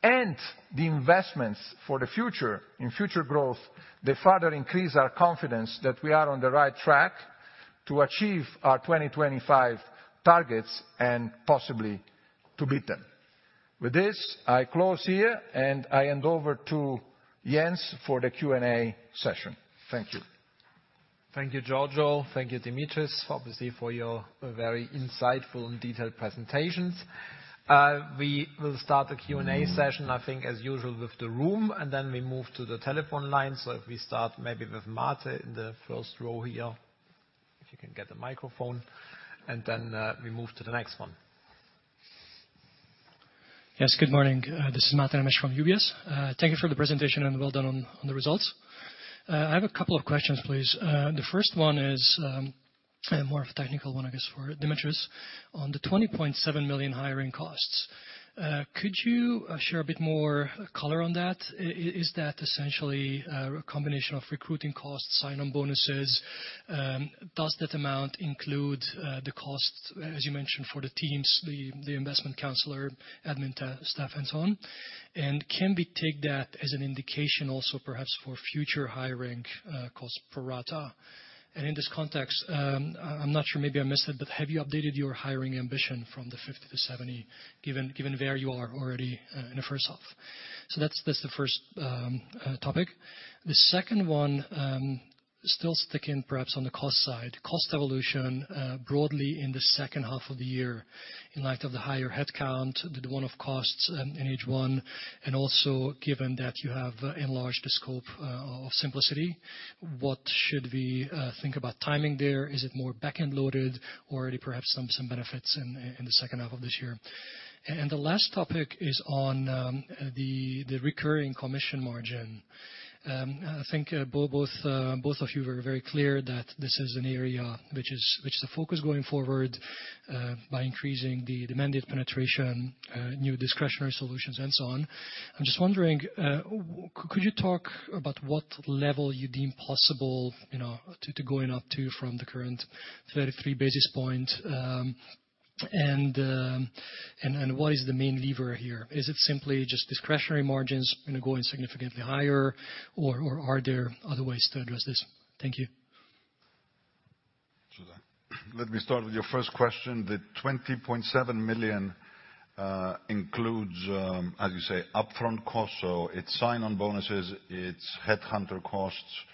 and the investments for the future, in future growth, they further increase our confidence that we are on the right track to achieve our 2025 targets, and possibly to beat them. With this, I close here, and I hand over to Jens for the Q&A session. Thank you. Thank you, Giorgio. Thank you, Dimitris, obviously, for your very insightful and detailed presentations. We will start the Q&A session, I think, as usual, with the room, and then we move to the telephone line. If we start maybe with Mate in the first row here, if you can get the microphone, and then, we move to the next one. Yes, good morning. This is Mate Nemes from UBS. Thank you for the presentation, and well done on the results. I have a couple of questions, please. The first one is more of a technical one, I guess, for Dimitris. On the 20.7 million hiring costs, could you share a bit more color on that? Is that essentially a combination of recruiting costs, sign-on bonuses? Does that amount include the costs, as you mentioned, for the teams, the investment counselor, admin staff, and so on? Can we take that as an indication also, perhaps, for future hiring costs per rata? In this context, I'm not sure, maybe I missed it, but have you updated your hiring ambition from the 50 to 70, given where you are already in the first half? That's the first topic. The second one, still sticking perhaps on the cost side. Cost evolution, broadly in the second half of the year, in light of the higher headcount, the one-off costs in H1, and also given that you have enlarged the scope of Simplicity, what should we think about timing there? Is it more back-end loaded or already perhaps some benefits in the second half of this year? The last topic is on the recurring commission margin. I think both of you were very clear that this is an area which is a focus going forward, by increasing the mandate penetration, new discretionary solutions, and so on. I'm just wondering, could you talk about what level you deem possible, you know, to going up to from the current 33 basis point? What is the main lever here? Is it simply just discretionary margins, you know, going significantly higher, or are there other ways to address this? Thank you. Let me start with your first question. The 20.7 million includes, as you say, upfront costs, so it's sign-on bonuses, it's headhunter costs.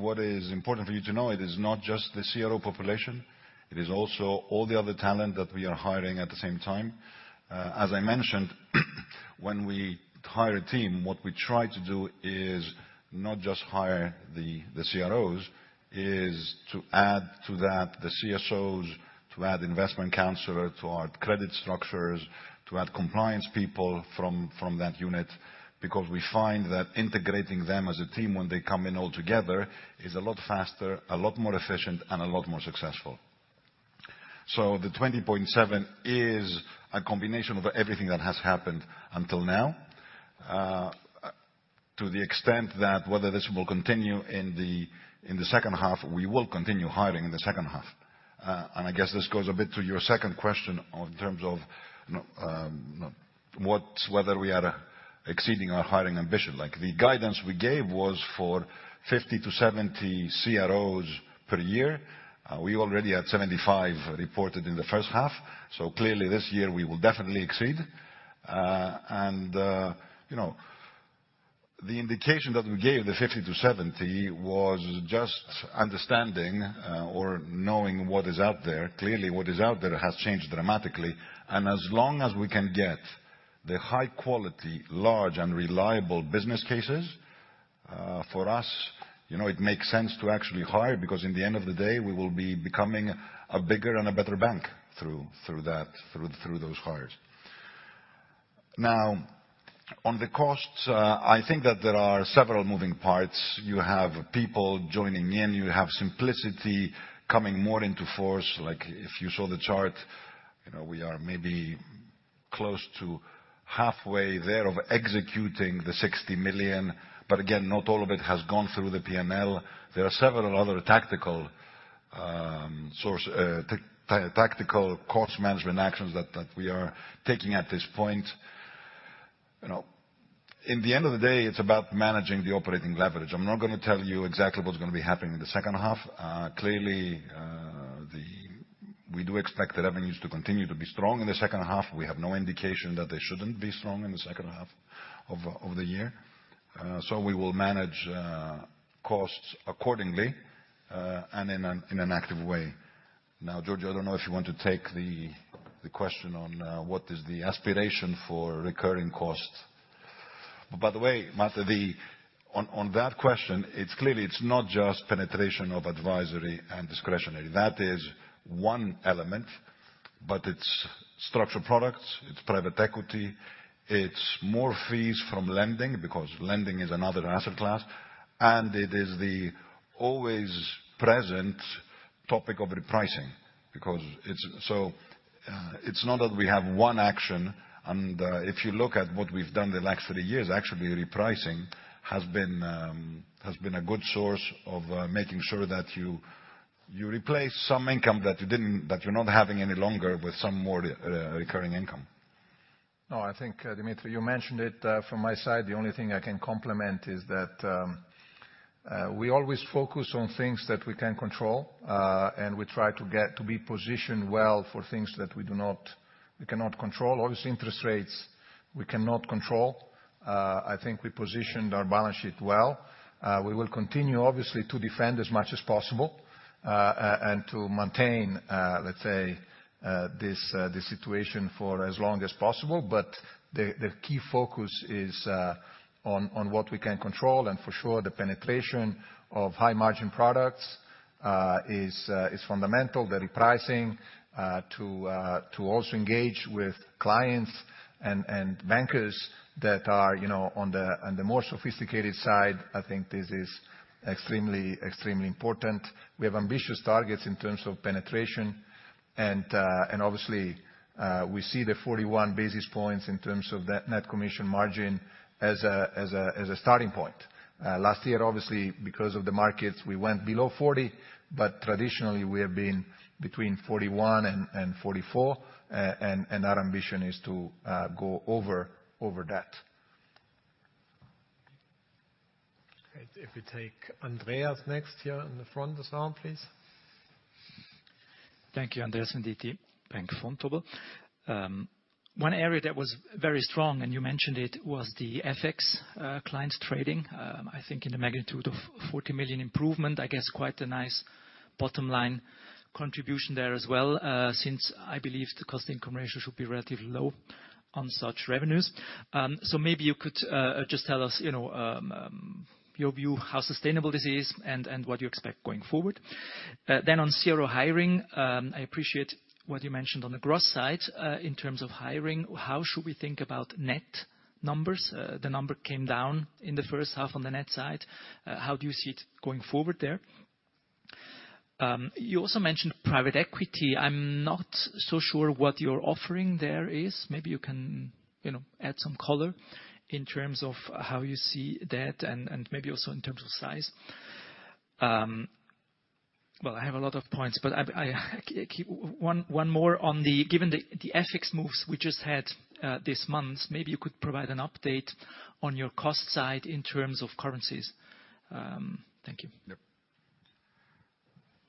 What is important for you to know, it is not just the CRO population, it is also all the other talent that we are hiring at the same time. As I mentioned, when we hire a team, what we try to do is not just hire the CROs, is to add to that, the CROs, to add investment counselor, to add credit structures, to add compliance people from that unit, because we find that integrating them as a team when they come in all together, is a lot faster, a lot more efficient, and a lot more successful. The 20.7 is a combination of everything that has happened until now. To the extent that whether this will continue in the, in the second half, we will continue hiring in the second half. I guess this goes a bit to your second question on terms of, whether we are exceeding our hiring ambition. Like, the guidance we gave was for 50 to 70 CROs per year. We already had 75 reported in the first half, so clearly, this year we will definitely exceed. You know, the indication that we gave, the 50 to 70, was just understanding, or knowing what is out there. Clearly, what is out there has changed dramatically. As long as we can get the high quality, large, and reliable business cases, for us, you know, it makes sense to actually hire, because in the end of the day, we will be becoming a bigger and a better bank through that, through those hires. On the costs, I think that there are several moving parts. You have people joining in, you have Simplicity coming more into force. Like, if you saw the chart, you know, we are maybe close to halfway there of executing the 60 million, but again, not all of it has gone through the P&L. There are several other tactical, source, tactical cost management actions that we are taking at this point. You know, in the end of the day, it's about managing the operating leverage. I'm not gonna tell you exactly what's gonna be happening in the second half. Clearly, we do expect the revenues to continue to be strong in the second half. We have no indication that they shouldn't be strong in the second half of the year. We will manage costs accordingly and in an active way. Now, Giorgio, I don't know if you want to take the question on what is the aspiration for recurring costs. By the way, Mate, the, on that question, it's clearly, it's not just penetration of advisory and discretionary. That is one element. It's structured products, it's private equity, it's more fees from lending, because lending is another asset class, and it is the always present topic of repricing, because it's so, it's not that we have one action, and, if you look at what we've done the last three years, actually, repricing has been a good source of making sure that you replace some income that you're not having any longer with some more recurring income. No, I think, Dimitris, you mentioned it. From my side, the only thing I can complement is that we always focus on things that we can control, and we try to get to be positioned well for things that we do not, we cannot control. Obviously, interest rates, we cannot control. I think we positioned our balance sheet well. We will continue, obviously, to defend as much as possible, and to maintain, let's say, this situation for as long as possible. The key focus is on what we can control, and for sure, the penetration of high-margin products is fundamental. The repricing, to also engage with clients and bankers that are, you know, on the more sophisticated side, I think this is extremely important. We have ambitious targets in terms of penetration. Obviously, we see the 41 basis points in terms of the net commission margin as a starting point. Last year, obviously, because of the markets, we went below 40, but traditionally we have been between 41 and 44, and our ambition is to go over that. Great. If we take Andreas next here in the front of the room, please. Thank you. Andreas Venditti, Bank Vontobel. One area that was very strong, and you mentioned it, was the FX clients trading, I think in the magnitude of 40 million improvement, I guess quite a nice bottom line contribution there as well, since I believe the cost-to-income ratio should be relatively low on such revenues. So maybe you could just tell us, you know, your view, how sustainable this is and what you expect going forward. On CRO hiring, I appreciate what you mentioned on the gross side. In terms of hiring, how should we think about net numbers? The number came down in the first half on the net side. How do you see it going forward there? You also mentioned private equity. I'm not so sure what you're offering there is. Maybe you can, you know, add some color in terms of how you see that and maybe also in terms of size. I have a lot of points, but I keep one more on the, given the FX moves we just had, this month, maybe you could provide an update on your cost side in terms of currencies. Thank you. Yep.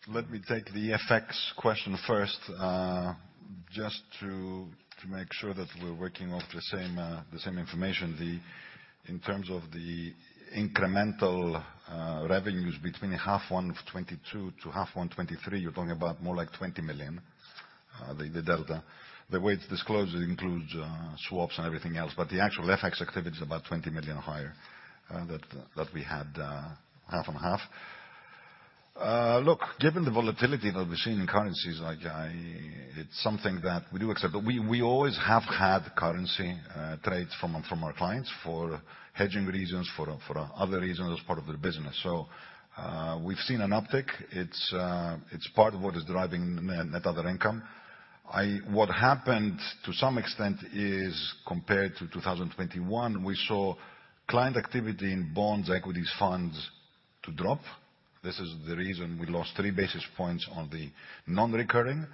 Let me take the FX question first. Just to make sure that we're working off the same information, the in terms of the incremental revenues between half one of 2022 to half one 2023, you're talking about more like 20 million, the delta. The way it's disclosed, it includes swaps and everything else, the actual FX activity is about 20 million higher that we had half and half. Look, given the volatility that we've seen in currencies, It's something that we do accept. We always have had currency trades from our clients for hedging reasons, for other reasons, as part of their business. We've seen an uptick. It's part of what is driving net other income. What happened, to some extent, is, compared to 2021, we saw client activity in bonds, equities, funds to drop. This is the reason we lost 3 basis points on the non-recurring,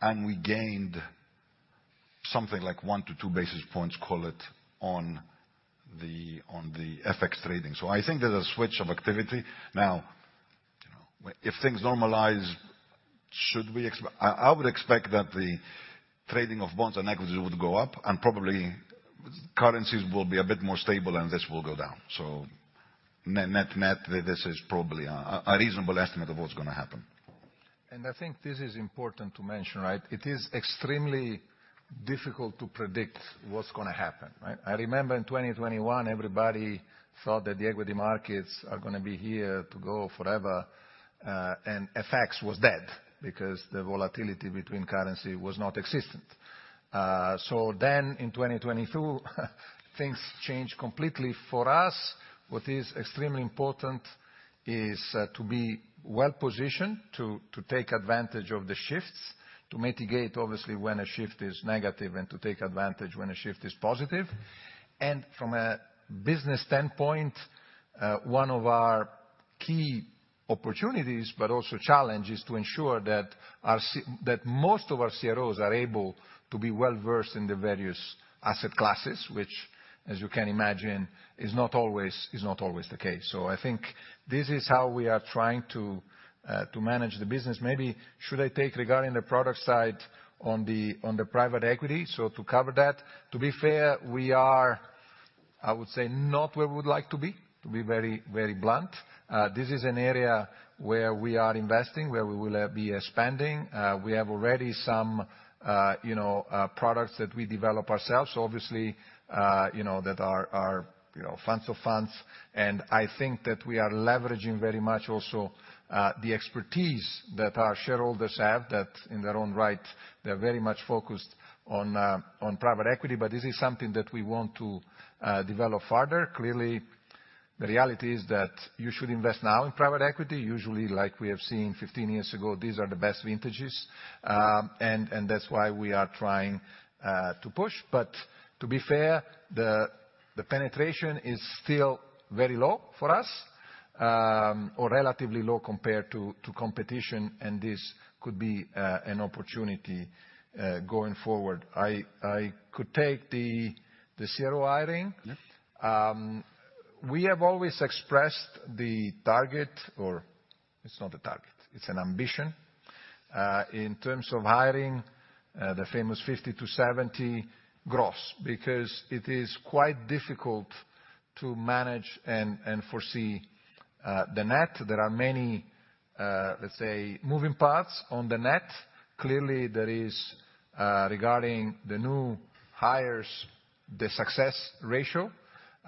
and we gained something like 1-2 basis points, call it, on the, on the FX trading. I think there's a switch of activity. Now, if things normalize, I would expect that the trading of bonds and equities would go up, and probably currencies will be a bit more stable and this will go down. Net, net, this is probably a reasonable estimate of what's gonna happen. I think this is important to mention, right? It is extremely difficult to predict what's gonna happen, right? I remember in 2021, everybody thought that the equity markets are gonna be here to go forever, and FX was dead because the volatility between currency was not existent. In 2022, things changed completel. For us, what is extremely important is to be well positioned to take advantage of the shifts, to mitigate, obviously, when a shift is negative and to take advantage when a shift is positive. From a business standpoint, one of our key opportunities, but also challenge, is to ensure that most of our CROs are able to be well-versed in the various asset classes, which, as you can imagine, is not always the case. I think this is how we are trying to manage the business. Maybe should I take, regarding the product side on the private equity, so to cover that? To be fair, we are, I would say, not where we would like to be, to be very, very blunt. This is an area where we are investing, where we will be spending. We have already some, you know, products that we develop ourselves, obviously, you know, that are, you know, funds of funds. I think that we are leveraging very much also, the expertise that our shareholders have, that in their own right, they're very much focused on private equity. This is something that we want to develop further. Clearly, the reality is that you should invest now in private equity, usually like we have seen 15 years ago, these are the best vintages. That's why we are trying to push. To be fair, the penetration is still very low for us, or relatively low compared to competition, and this could be an opportunity going forward. I could take the CRO hiring. Yes. We have always expressed the target, or it's not a target, it's an ambition in terms of hiring the famous 50-70 gross, because it is quite difficult to manage and foresee the net. There are many, let's say, moving parts on the net. Clearly, there is regarding the new hires, the success ratio.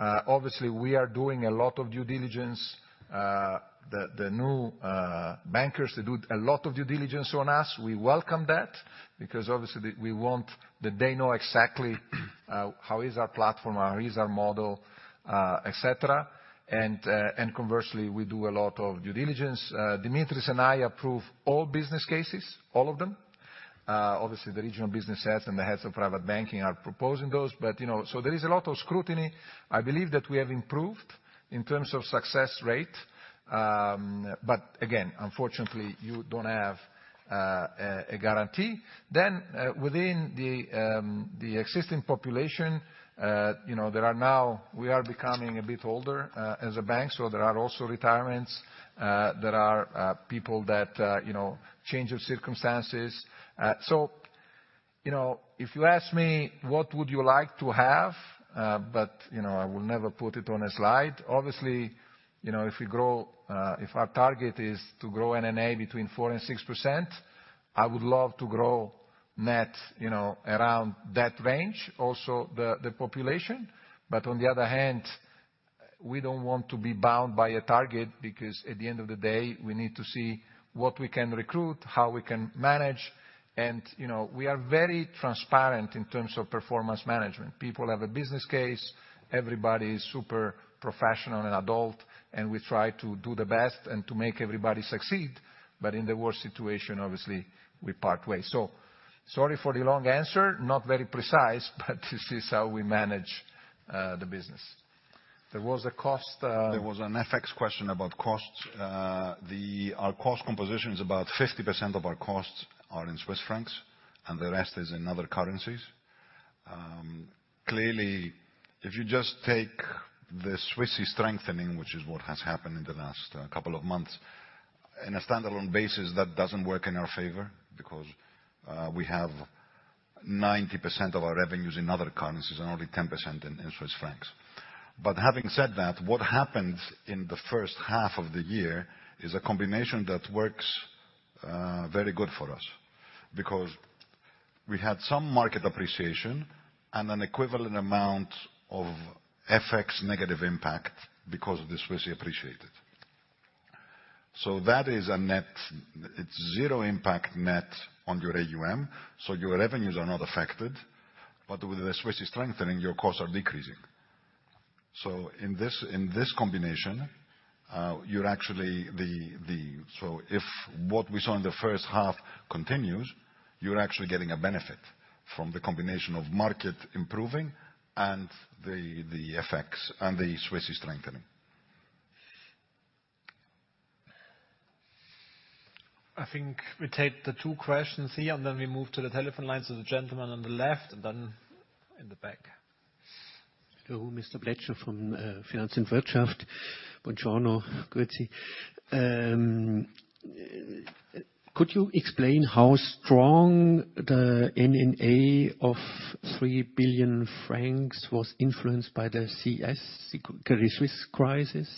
Obviously, we are doing a lot of due diligence. The new bankers, they do a lot of due diligence on us. We welcome that, because obviously we want that they know exactly how is our platform, how is our model, et cetera. Conversely, we do a lot of due diligence. Dimitris and I approve all business cases, all of them. Obviously, the regional business heads and the heads of private banking are proposing those. But, you know, there is a lot of scrutiny. I believe that we have improved in terms of success rate, but again, unfortunately, you don't have a guarantee. Within the existing population, you know, we are becoming a bit older as a bank, so there are also retirements. There are people that, you know, change of circumstances. You know, if you ask me, what would you like to have? You know, I will never put it on a slide. Obviously, you know, if we grow, if our target is to grow NNA between 4% and 6%, I would love to grow net, you know, around that range, also the population. On the other hand, we don't want to be bound by a target, because at the end of the day, we need to see what we can recruit, how we can manage. You know, we are very transparent in terms of performance management. People have a business case, everybody is super professional and adult, and we try to do the best and to make everybody succeed, but in the worst situation, obviously, we part ways. Sorry for the long answer, not very precise, but this is how we manage the business. There was a cost. There was an FX question about costs. The, our cost composition is about 50% of our costs are in Swiss francs, and the rest is in other currencies. Clearly, if you just take the Swissy strengthening, which is what has happened in the last couple of months, in a standalone basis, that doesn't work in our favor, because we have 90% of our revenues in other currencies and only 10% in Swiss francs. Having said that, what happened in the first half of the year is a combination that works very good for us. Because we had some market appreciation and an equivalent amount of FX negative impact because the Swissy appreciated. That is a net, it's zero impact net on your AUM, so your revenues are not affected, but with the Swissy strengthening, your costs are decreasing. In this combination, you're actually So if what we saw in the first half continues, you're actually getting a benefit from the combination of market improving and the FX, and the Swissy strengthening. I think we take the two questions here, and then we move to the telephone lines of the gentleman on the left and then in the back. Hello, [Mr. Blechner] from Finanz und Wirtschaft. Buongiorno, grüezi. Could you explain how strong the NNA of 3 billion francs was influenced by the CS, Credit Suisse crisis?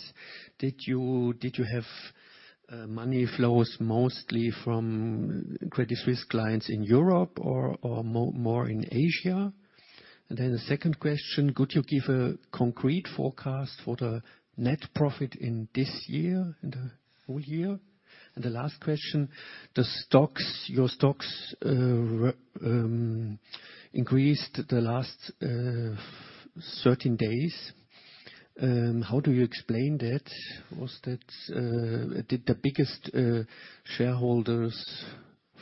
Did you have money flows mostly from Credit Suisse clients in Europe or more in Asia? The second question: Could you give a concrete forecast for the net profit in this year, in the full year? The last question: The stocks, your stocks increased the last 13 days. How do you explain that? Was that? Did the biggest shareholders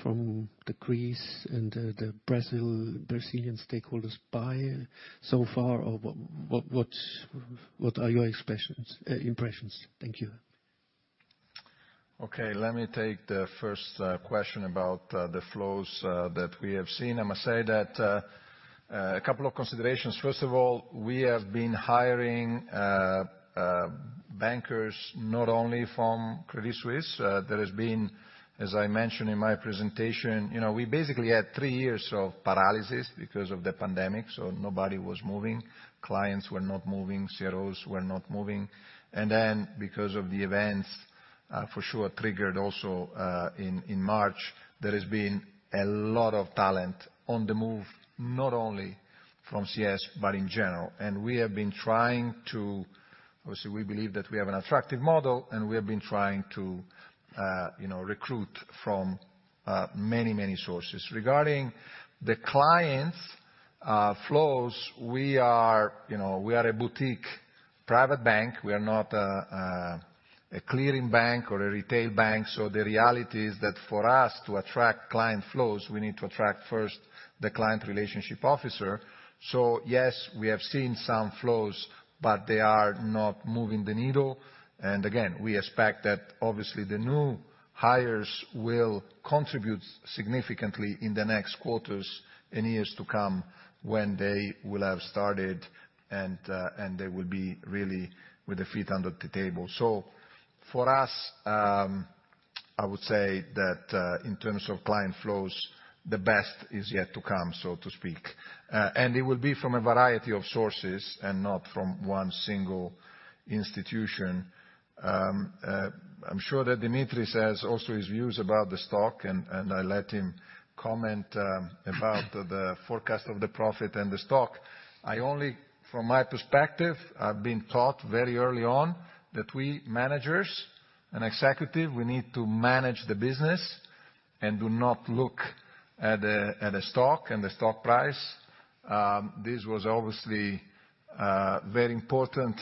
from the Greece and the Brazil, Brazilian stakeholders buy so far, or what are your impressions? Thank you. Okay, let me take the first question about the flows that we have seen. I must say that a couple of considerations. First of all, we have been hiring bankers not only from Credit Suisse. There has been, as I mentioned in my presentation, you know, we basically had three years of paralysis because of the pandemic, so nobody was moving, clients were not moving, CROs were not moving. Then, because of the events, for sure, triggered also in March, there has been a lot of talent on the move, not only from CS, but in general. We have been trying obviously, we believe that we have an attractive model, and we have been trying to, you know, recruit from many, many sources. Regarding the clients flows, we are, you know, we are a boutique private bank. We are not a clearing bank or a retail bank, so the reality is that for us to attract client flows, we need to attract first the Client Relationship Officer. Yes, we have seen some flows, but they are not moving the needle. Again, we expect that obviously the new hires will contribute significantly in the next quarters and years to come when they will have started and they will be really with their feet under the table. For us, I would say that in terms of client flows, the best is yet to come, so to speak. It will be from a variety of sources and not from one single institution. I'm sure that Dimitris has also his views about the stock, and I let him comment about the forecast of the profit and the stock. I only, from my perspective, I've been taught very early on that we managers and executive, we need to manage the business and do not look at the stock and the stock price. This was obviously very important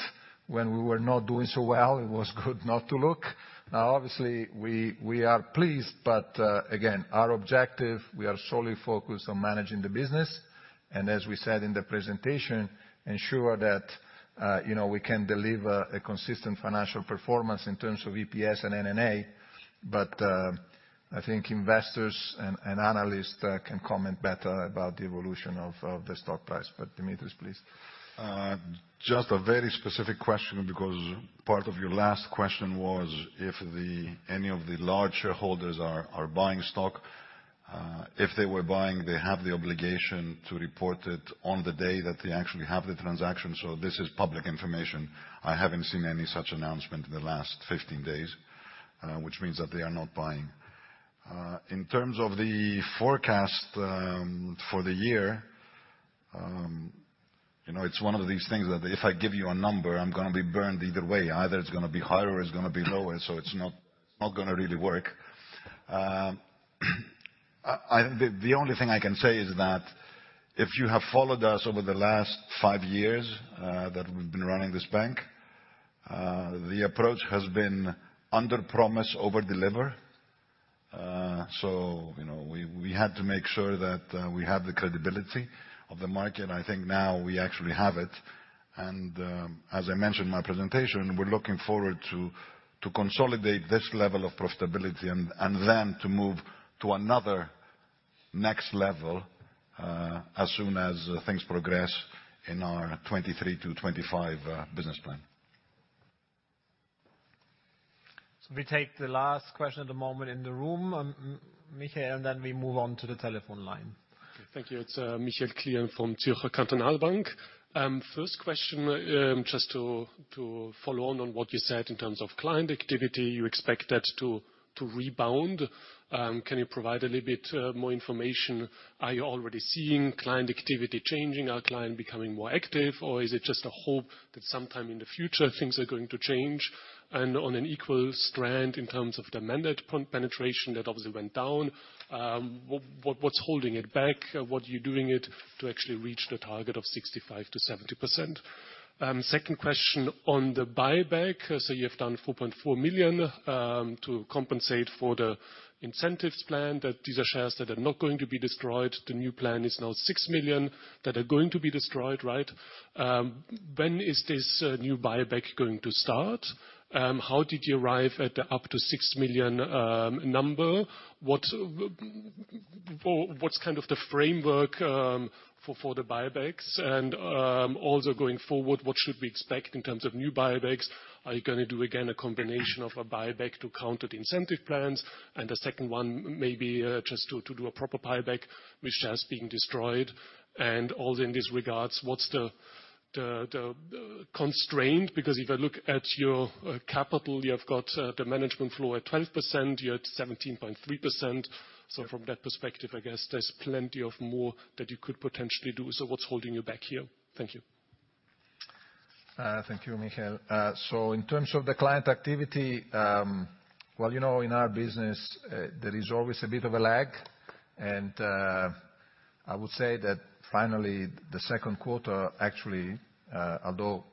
when we were not doing so well, it was good not to look. Now, obviously, we are pleased, but again, our objective, we are solely focused on managing the business, and as we said in the presentation, ensure that, you know, we can deliver a consistent financial performance in terms of EPS and NNA. I think investors and analysts can comment better about the evolution of the stock price. Dimitris, please. Just a very specific question, because part of your last question was if the any of the large shareholders are buying stock. If they were buying, they have the obligation to report it on the day that they actually have the transaction. This is public information. I haven't seen any such announcement in the last 15 days, which means that they are not buying. In terms of the forecast for the year, you know, it's one of these things that if I give you a number, I'm gonna be burned either way. Either it's gonna be higher or it's gonna be lower. It's not gonna really work. The only thing I can say is that if you have followed us over the last five years, that we've been running this bank, the approach has been under promise, over deliver. You know, we had to make sure that we had the credibility of the market. I think now we actually have it, and as I mentioned in my presentation, we're looking forward to consolidate this level of profitability and then to move to another next level, as soon as things progress in our 2023 to 2025 business plan. We take the last question at the moment in the room, Michael, and then we move on to the telephone line. Thank you. It's Michael Klien from Zürcher Kantonalbank. First question, just to follow on what you said in terms of client activity. You expect that to rebound. Can you provide a little bit more information? Are you already seeing client activity changing? Are client becoming more active, or is it just a hope that sometime in the future things are going to change? On an equal strand, in terms of the mandate penetration, that obviously went down, what's holding it back? What are you doing it to actually reach the target of 65%-70%? Second question on the buyback. You have done 4.4 million to compensate for the incentives plan, that these are shares that are not going to be destroyed. The new plan is now 6 million that are going to be destroyed, right? When is this new buyback going to start? How did you arrive at the up to 6 million number? What's kind of the framework for the buybacks? Also going forward, what should we expect in terms of new buybacks? Are you gonna do, again, a combination of a buyback to counter the incentive plans, and the second one may be just to do a proper buyback which has been destroyed? Also in these regards, what's the constraint? Because if I look at your capital, you have got the management flow at 12%, you're at 17.3%. From that perspective, I guess there's plenty of more that you could potentially do, so what's holding you back here? Thank you. Thank you, Michael. In terms of the client activity, well, you know, in our business, there is always a bit of a lag. I would say that finally, the second quarter actually, although,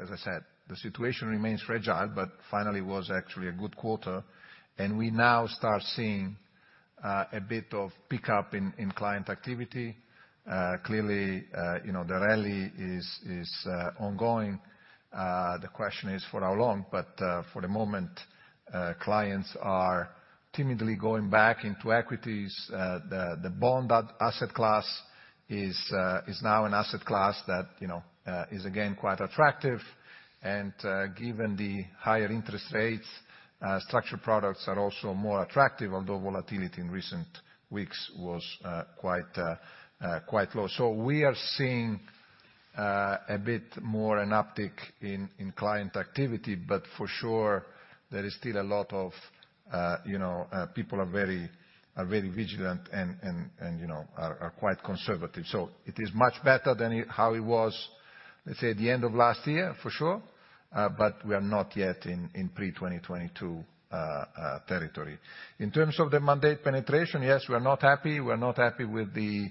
as I said, the situation remains fragile, but finally was actually a good quarter, and we now start seeing a bit of pickup in client activity. Clearly, you know, the rally is ongoing. The question is for how long? For the moment, clients are timidly going back into equities. The bond asset class is now an asset class that, you know, is again, quite attractive. Given the higher interest rates, structured products are also more attractive, although volatility in recent weeks was quite low. We are seeing a bit more an uptick in client activity, but for sure, there is still a lot of people are very vigilant and quite conservative. It is much better than it, how it was, let's say, at the end of last year, for sure, but we are not yet in pre-2022 territory. In terms of the mandate penetration, yes, we are not happy. We are not happy with the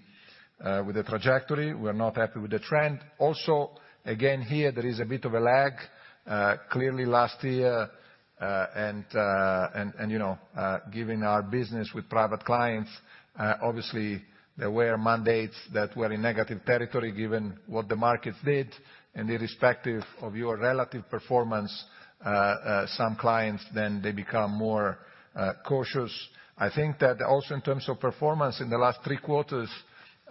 trajectory. We are not happy with the trend. Also, again, here, there is a bit of a lag. Clearly last year, and given our business with private clients, obviously there were mandates that were in negative territory, given what the markets did. Irrespective of your relative performance, some clients, then they become more cautious. I think that also in terms of performance in the last three quarters,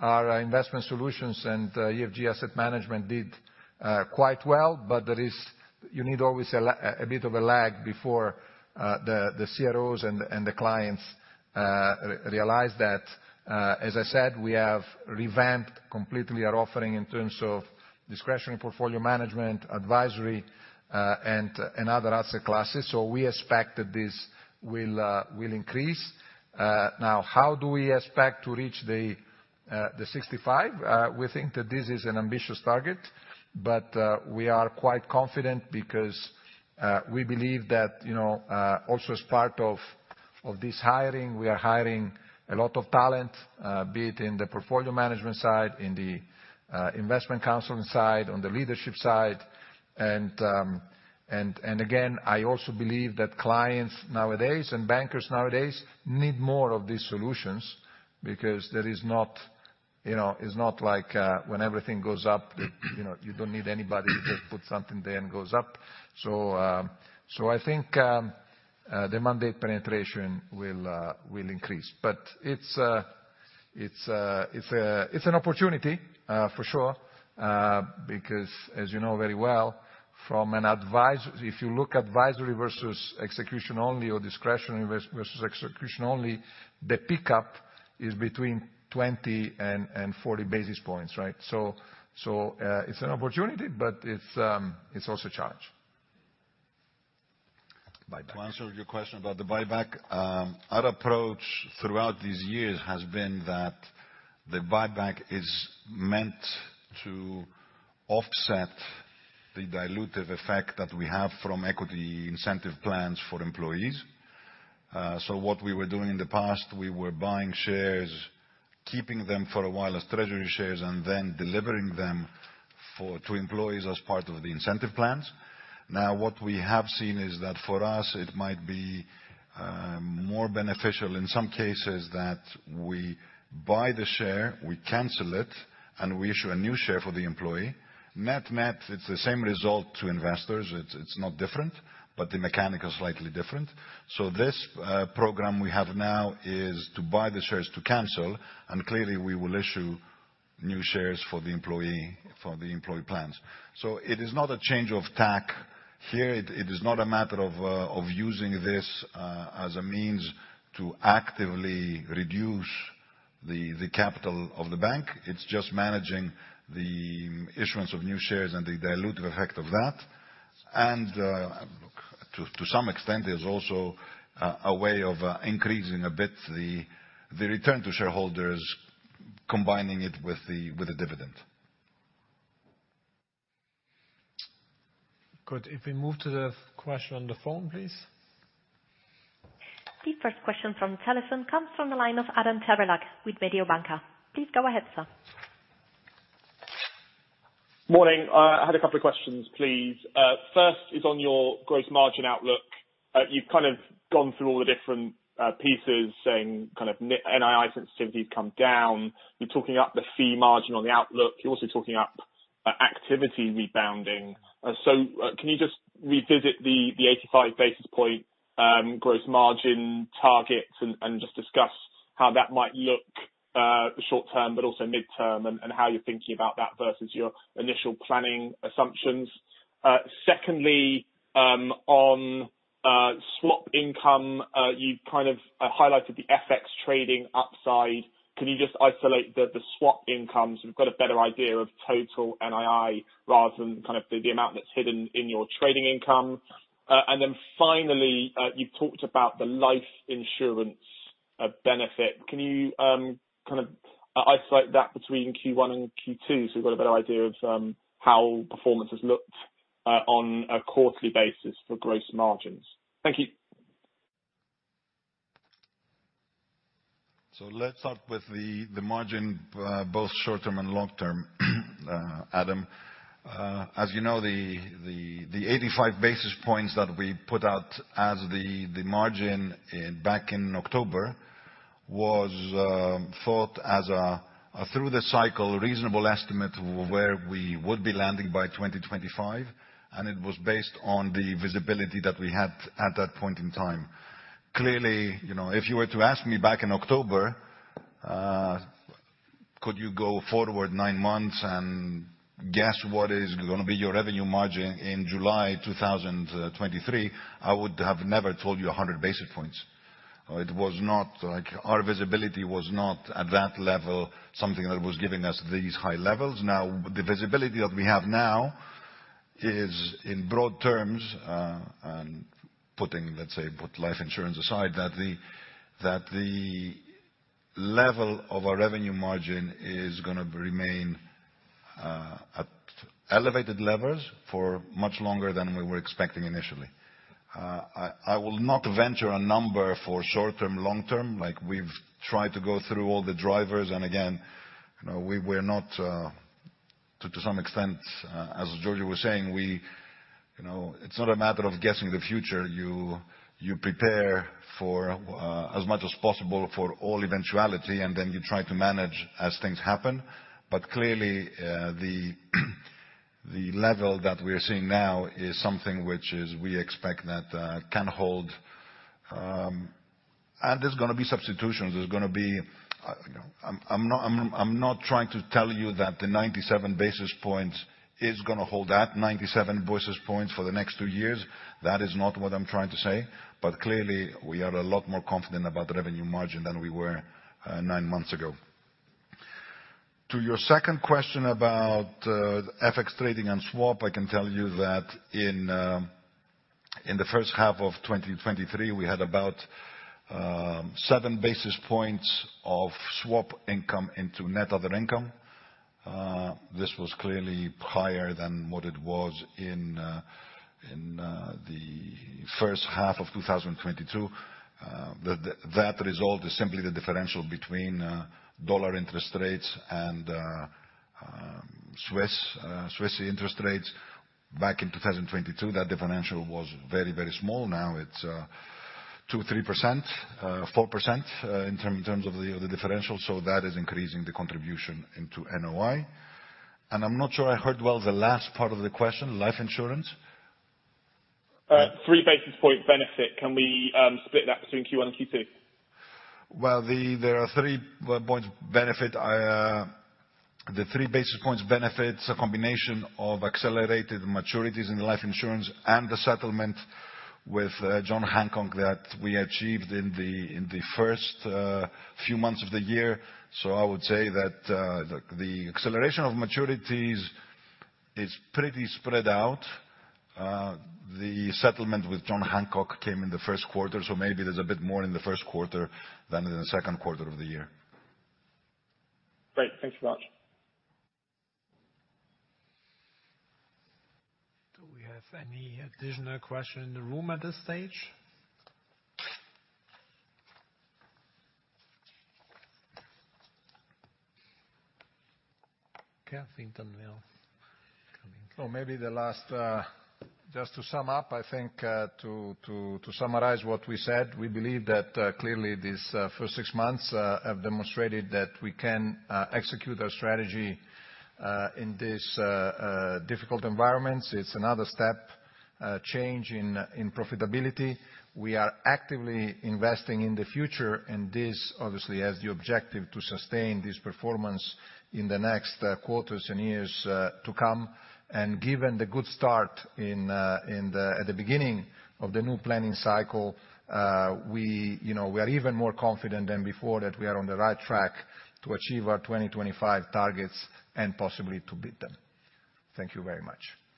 our investment solutions and EFG Asset Management did quite well, but you need always a bit of a lag before the CROs and the clients realize that. As I said, we have revamped completely our offering in terms of discretionary portfolio management, advisory, and other asset classes, so we expect that this will increase. Now, how do we expect to reach the 65? We think that this is an ambitious target, but we are quite confident because we believe that, you know, also as part of this hiring, we are hiring a lot of talent, be it in the portfolio management side, in the investment counseling side, on the leadership side. Again, I also believe that clients nowadays and bankers nowadays need more of these solutions because there is not, you know, it's not like when everything goes up, that, you know, you don't need anybody to put something there and goes up. I think the mandate penetration will increase. It's an opportunity, for sure, because as you know very well, if you look advisory versus execution only, or discretionary versus execution only, the pickup is between 20 and 40 basis points, right? It's an opportunity, but it's also a challenge. To answer your question about the buyback, our approach throughout these years has been that the buyback is meant to offset the dilutive effect that we have from equity incentive plans for employees. What we were doing in the past, we were buying shares, keeping them for a while as treasury shares, then delivering them to employees as part of the incentive plans. What we have seen is that for us it might be more beneficial in some cases that we buy the share, we cancel it, and we issue a new share for the employee. Net-net, it's the same result to investors, it's not different, but the mechanic is slightly different. This program we have now is to buy the shares to cancel, and clearly, we will issue new shares for the employee plans. It is not a change of tack here. It is not a matter of using this as a means to actively reduce the capital of the bank. It's just managing the issuance of new shares and the dilutive effect of that. To some extent, there's also a way of increasing a bit the return to shareholders, combining it with the dividend. Good. If we move to the question on the phone, please. The first question from telephone comes from the line of Adam Terelak with Mediobanca. Please go ahead, sir. Morning. I had a couple of questions, please. First is on your gross margin outlook. You've kind of gone through all the different pieces, saying, kind of, NII sensitivity has come down. You're talking up the fee margin on the outlook. You're also talking up activity rebounding. Can you just revisit the 85 basis point gross margin target and discuss how that might look short term, but also mid-term, and how you're thinking about that versus your initial planning assumptions. Secondly, on swap income, you've kind of highlighted the FX trading upside. Can you just isolate the swap incomes, we've got a better idea of total NII rather than kind of the amount that's hidden in your trading income. Finally, you talked about the life insurance benefit. Can you kind of isolate that between Q1 and Q2, so we've got a better idea of how performance has looked on a quarterly basis for gross margins? Thank you. Let's start with the margin, both short term and long term, Adam. As you know, the 85 basis points that we put out as the margin in, back in October was thought as a through the cycle, reasonable estimate where we would be landing by 2025, and it was based on the visibility that we had at that point in time. Clearly, you know, if you were to ask me back in October, could you go forward nine months and guess what is gonna be your revenue margin in July 2023? I would have never told you 100 basis points. It was not like, our visibility was not at that level, something that was giving us these high levels. Now, the visibility that we have now is in broad terms, and putting, let's say, put life insurance aside, that the, that the level of our revenue margin is gonna remain at elevated levels for much longer than we were expecting initially. I will not venture a number for short-term, long-term. Like, we've tried to go through all the drivers, and again, you know, we're not, to some extent, as Giorgio was saying, we, you know, it's not a matter of guessing the future. You, you prepare for as much as possible for all eventuality, and then you try to manage as things happen. Clearly, the level that we are seeing now is something which is we expect that can hold. And there's gonna be substitutions, there's gonna be, I'm not trying to tell you that the 97 basis points is going to hold at 97 basis points for the next 2 years. That is not what I'm trying to say. Clearly, we are a lot more confident about the revenue margin than we were nine months ago. To your second question about FX trading and swap, I can tell you that in the first half of 2023, we had about 7 basis points of swap income into net other income. This was clearly higher than what it was in the first half of 2022. That result is simply the differential between dollar interest rates and Swiss interest rates. Back in 2022, that differential was very small. Now it's 2%, 3%, 4% in terms of the differential, so that is increasing the contribution into NOI. I'm not sure I heard well the last part of the question, life insurance? 3 basis point benefit. Can we split that between Q1 and Q2? There are 3 points benefit. The 3 basis points benefit's a combination of accelerated maturities in life insurance and the settlement with John Hancock that we achieved in the first few months of the year. I would say that the acceleration of maturities is pretty spread out. The settlement with John Hancock came in the first quarter, maybe there's a bit more in the first quarter than in the second quarter of the year. Great. Thank you much. Do we have any additional question in the room at this stage? Okay, I think then we are. Maybe the last, just to sum up, I think, to summarize what we said, we believe that, clearly, these first six months have demonstrated that we can execute our strategy in this difficult environments. It's another step change in profitability. We are actively investing in the future, and this, obviously, has the objective to sustain this performance in the next quarters and years to come. Given the good start in the, at the beginning of the new planning cycle, we, you know, we are even more confident than before that we are on the right track to achieve our 2025 targets and possibly to beat them. Thank you very much. Thank you.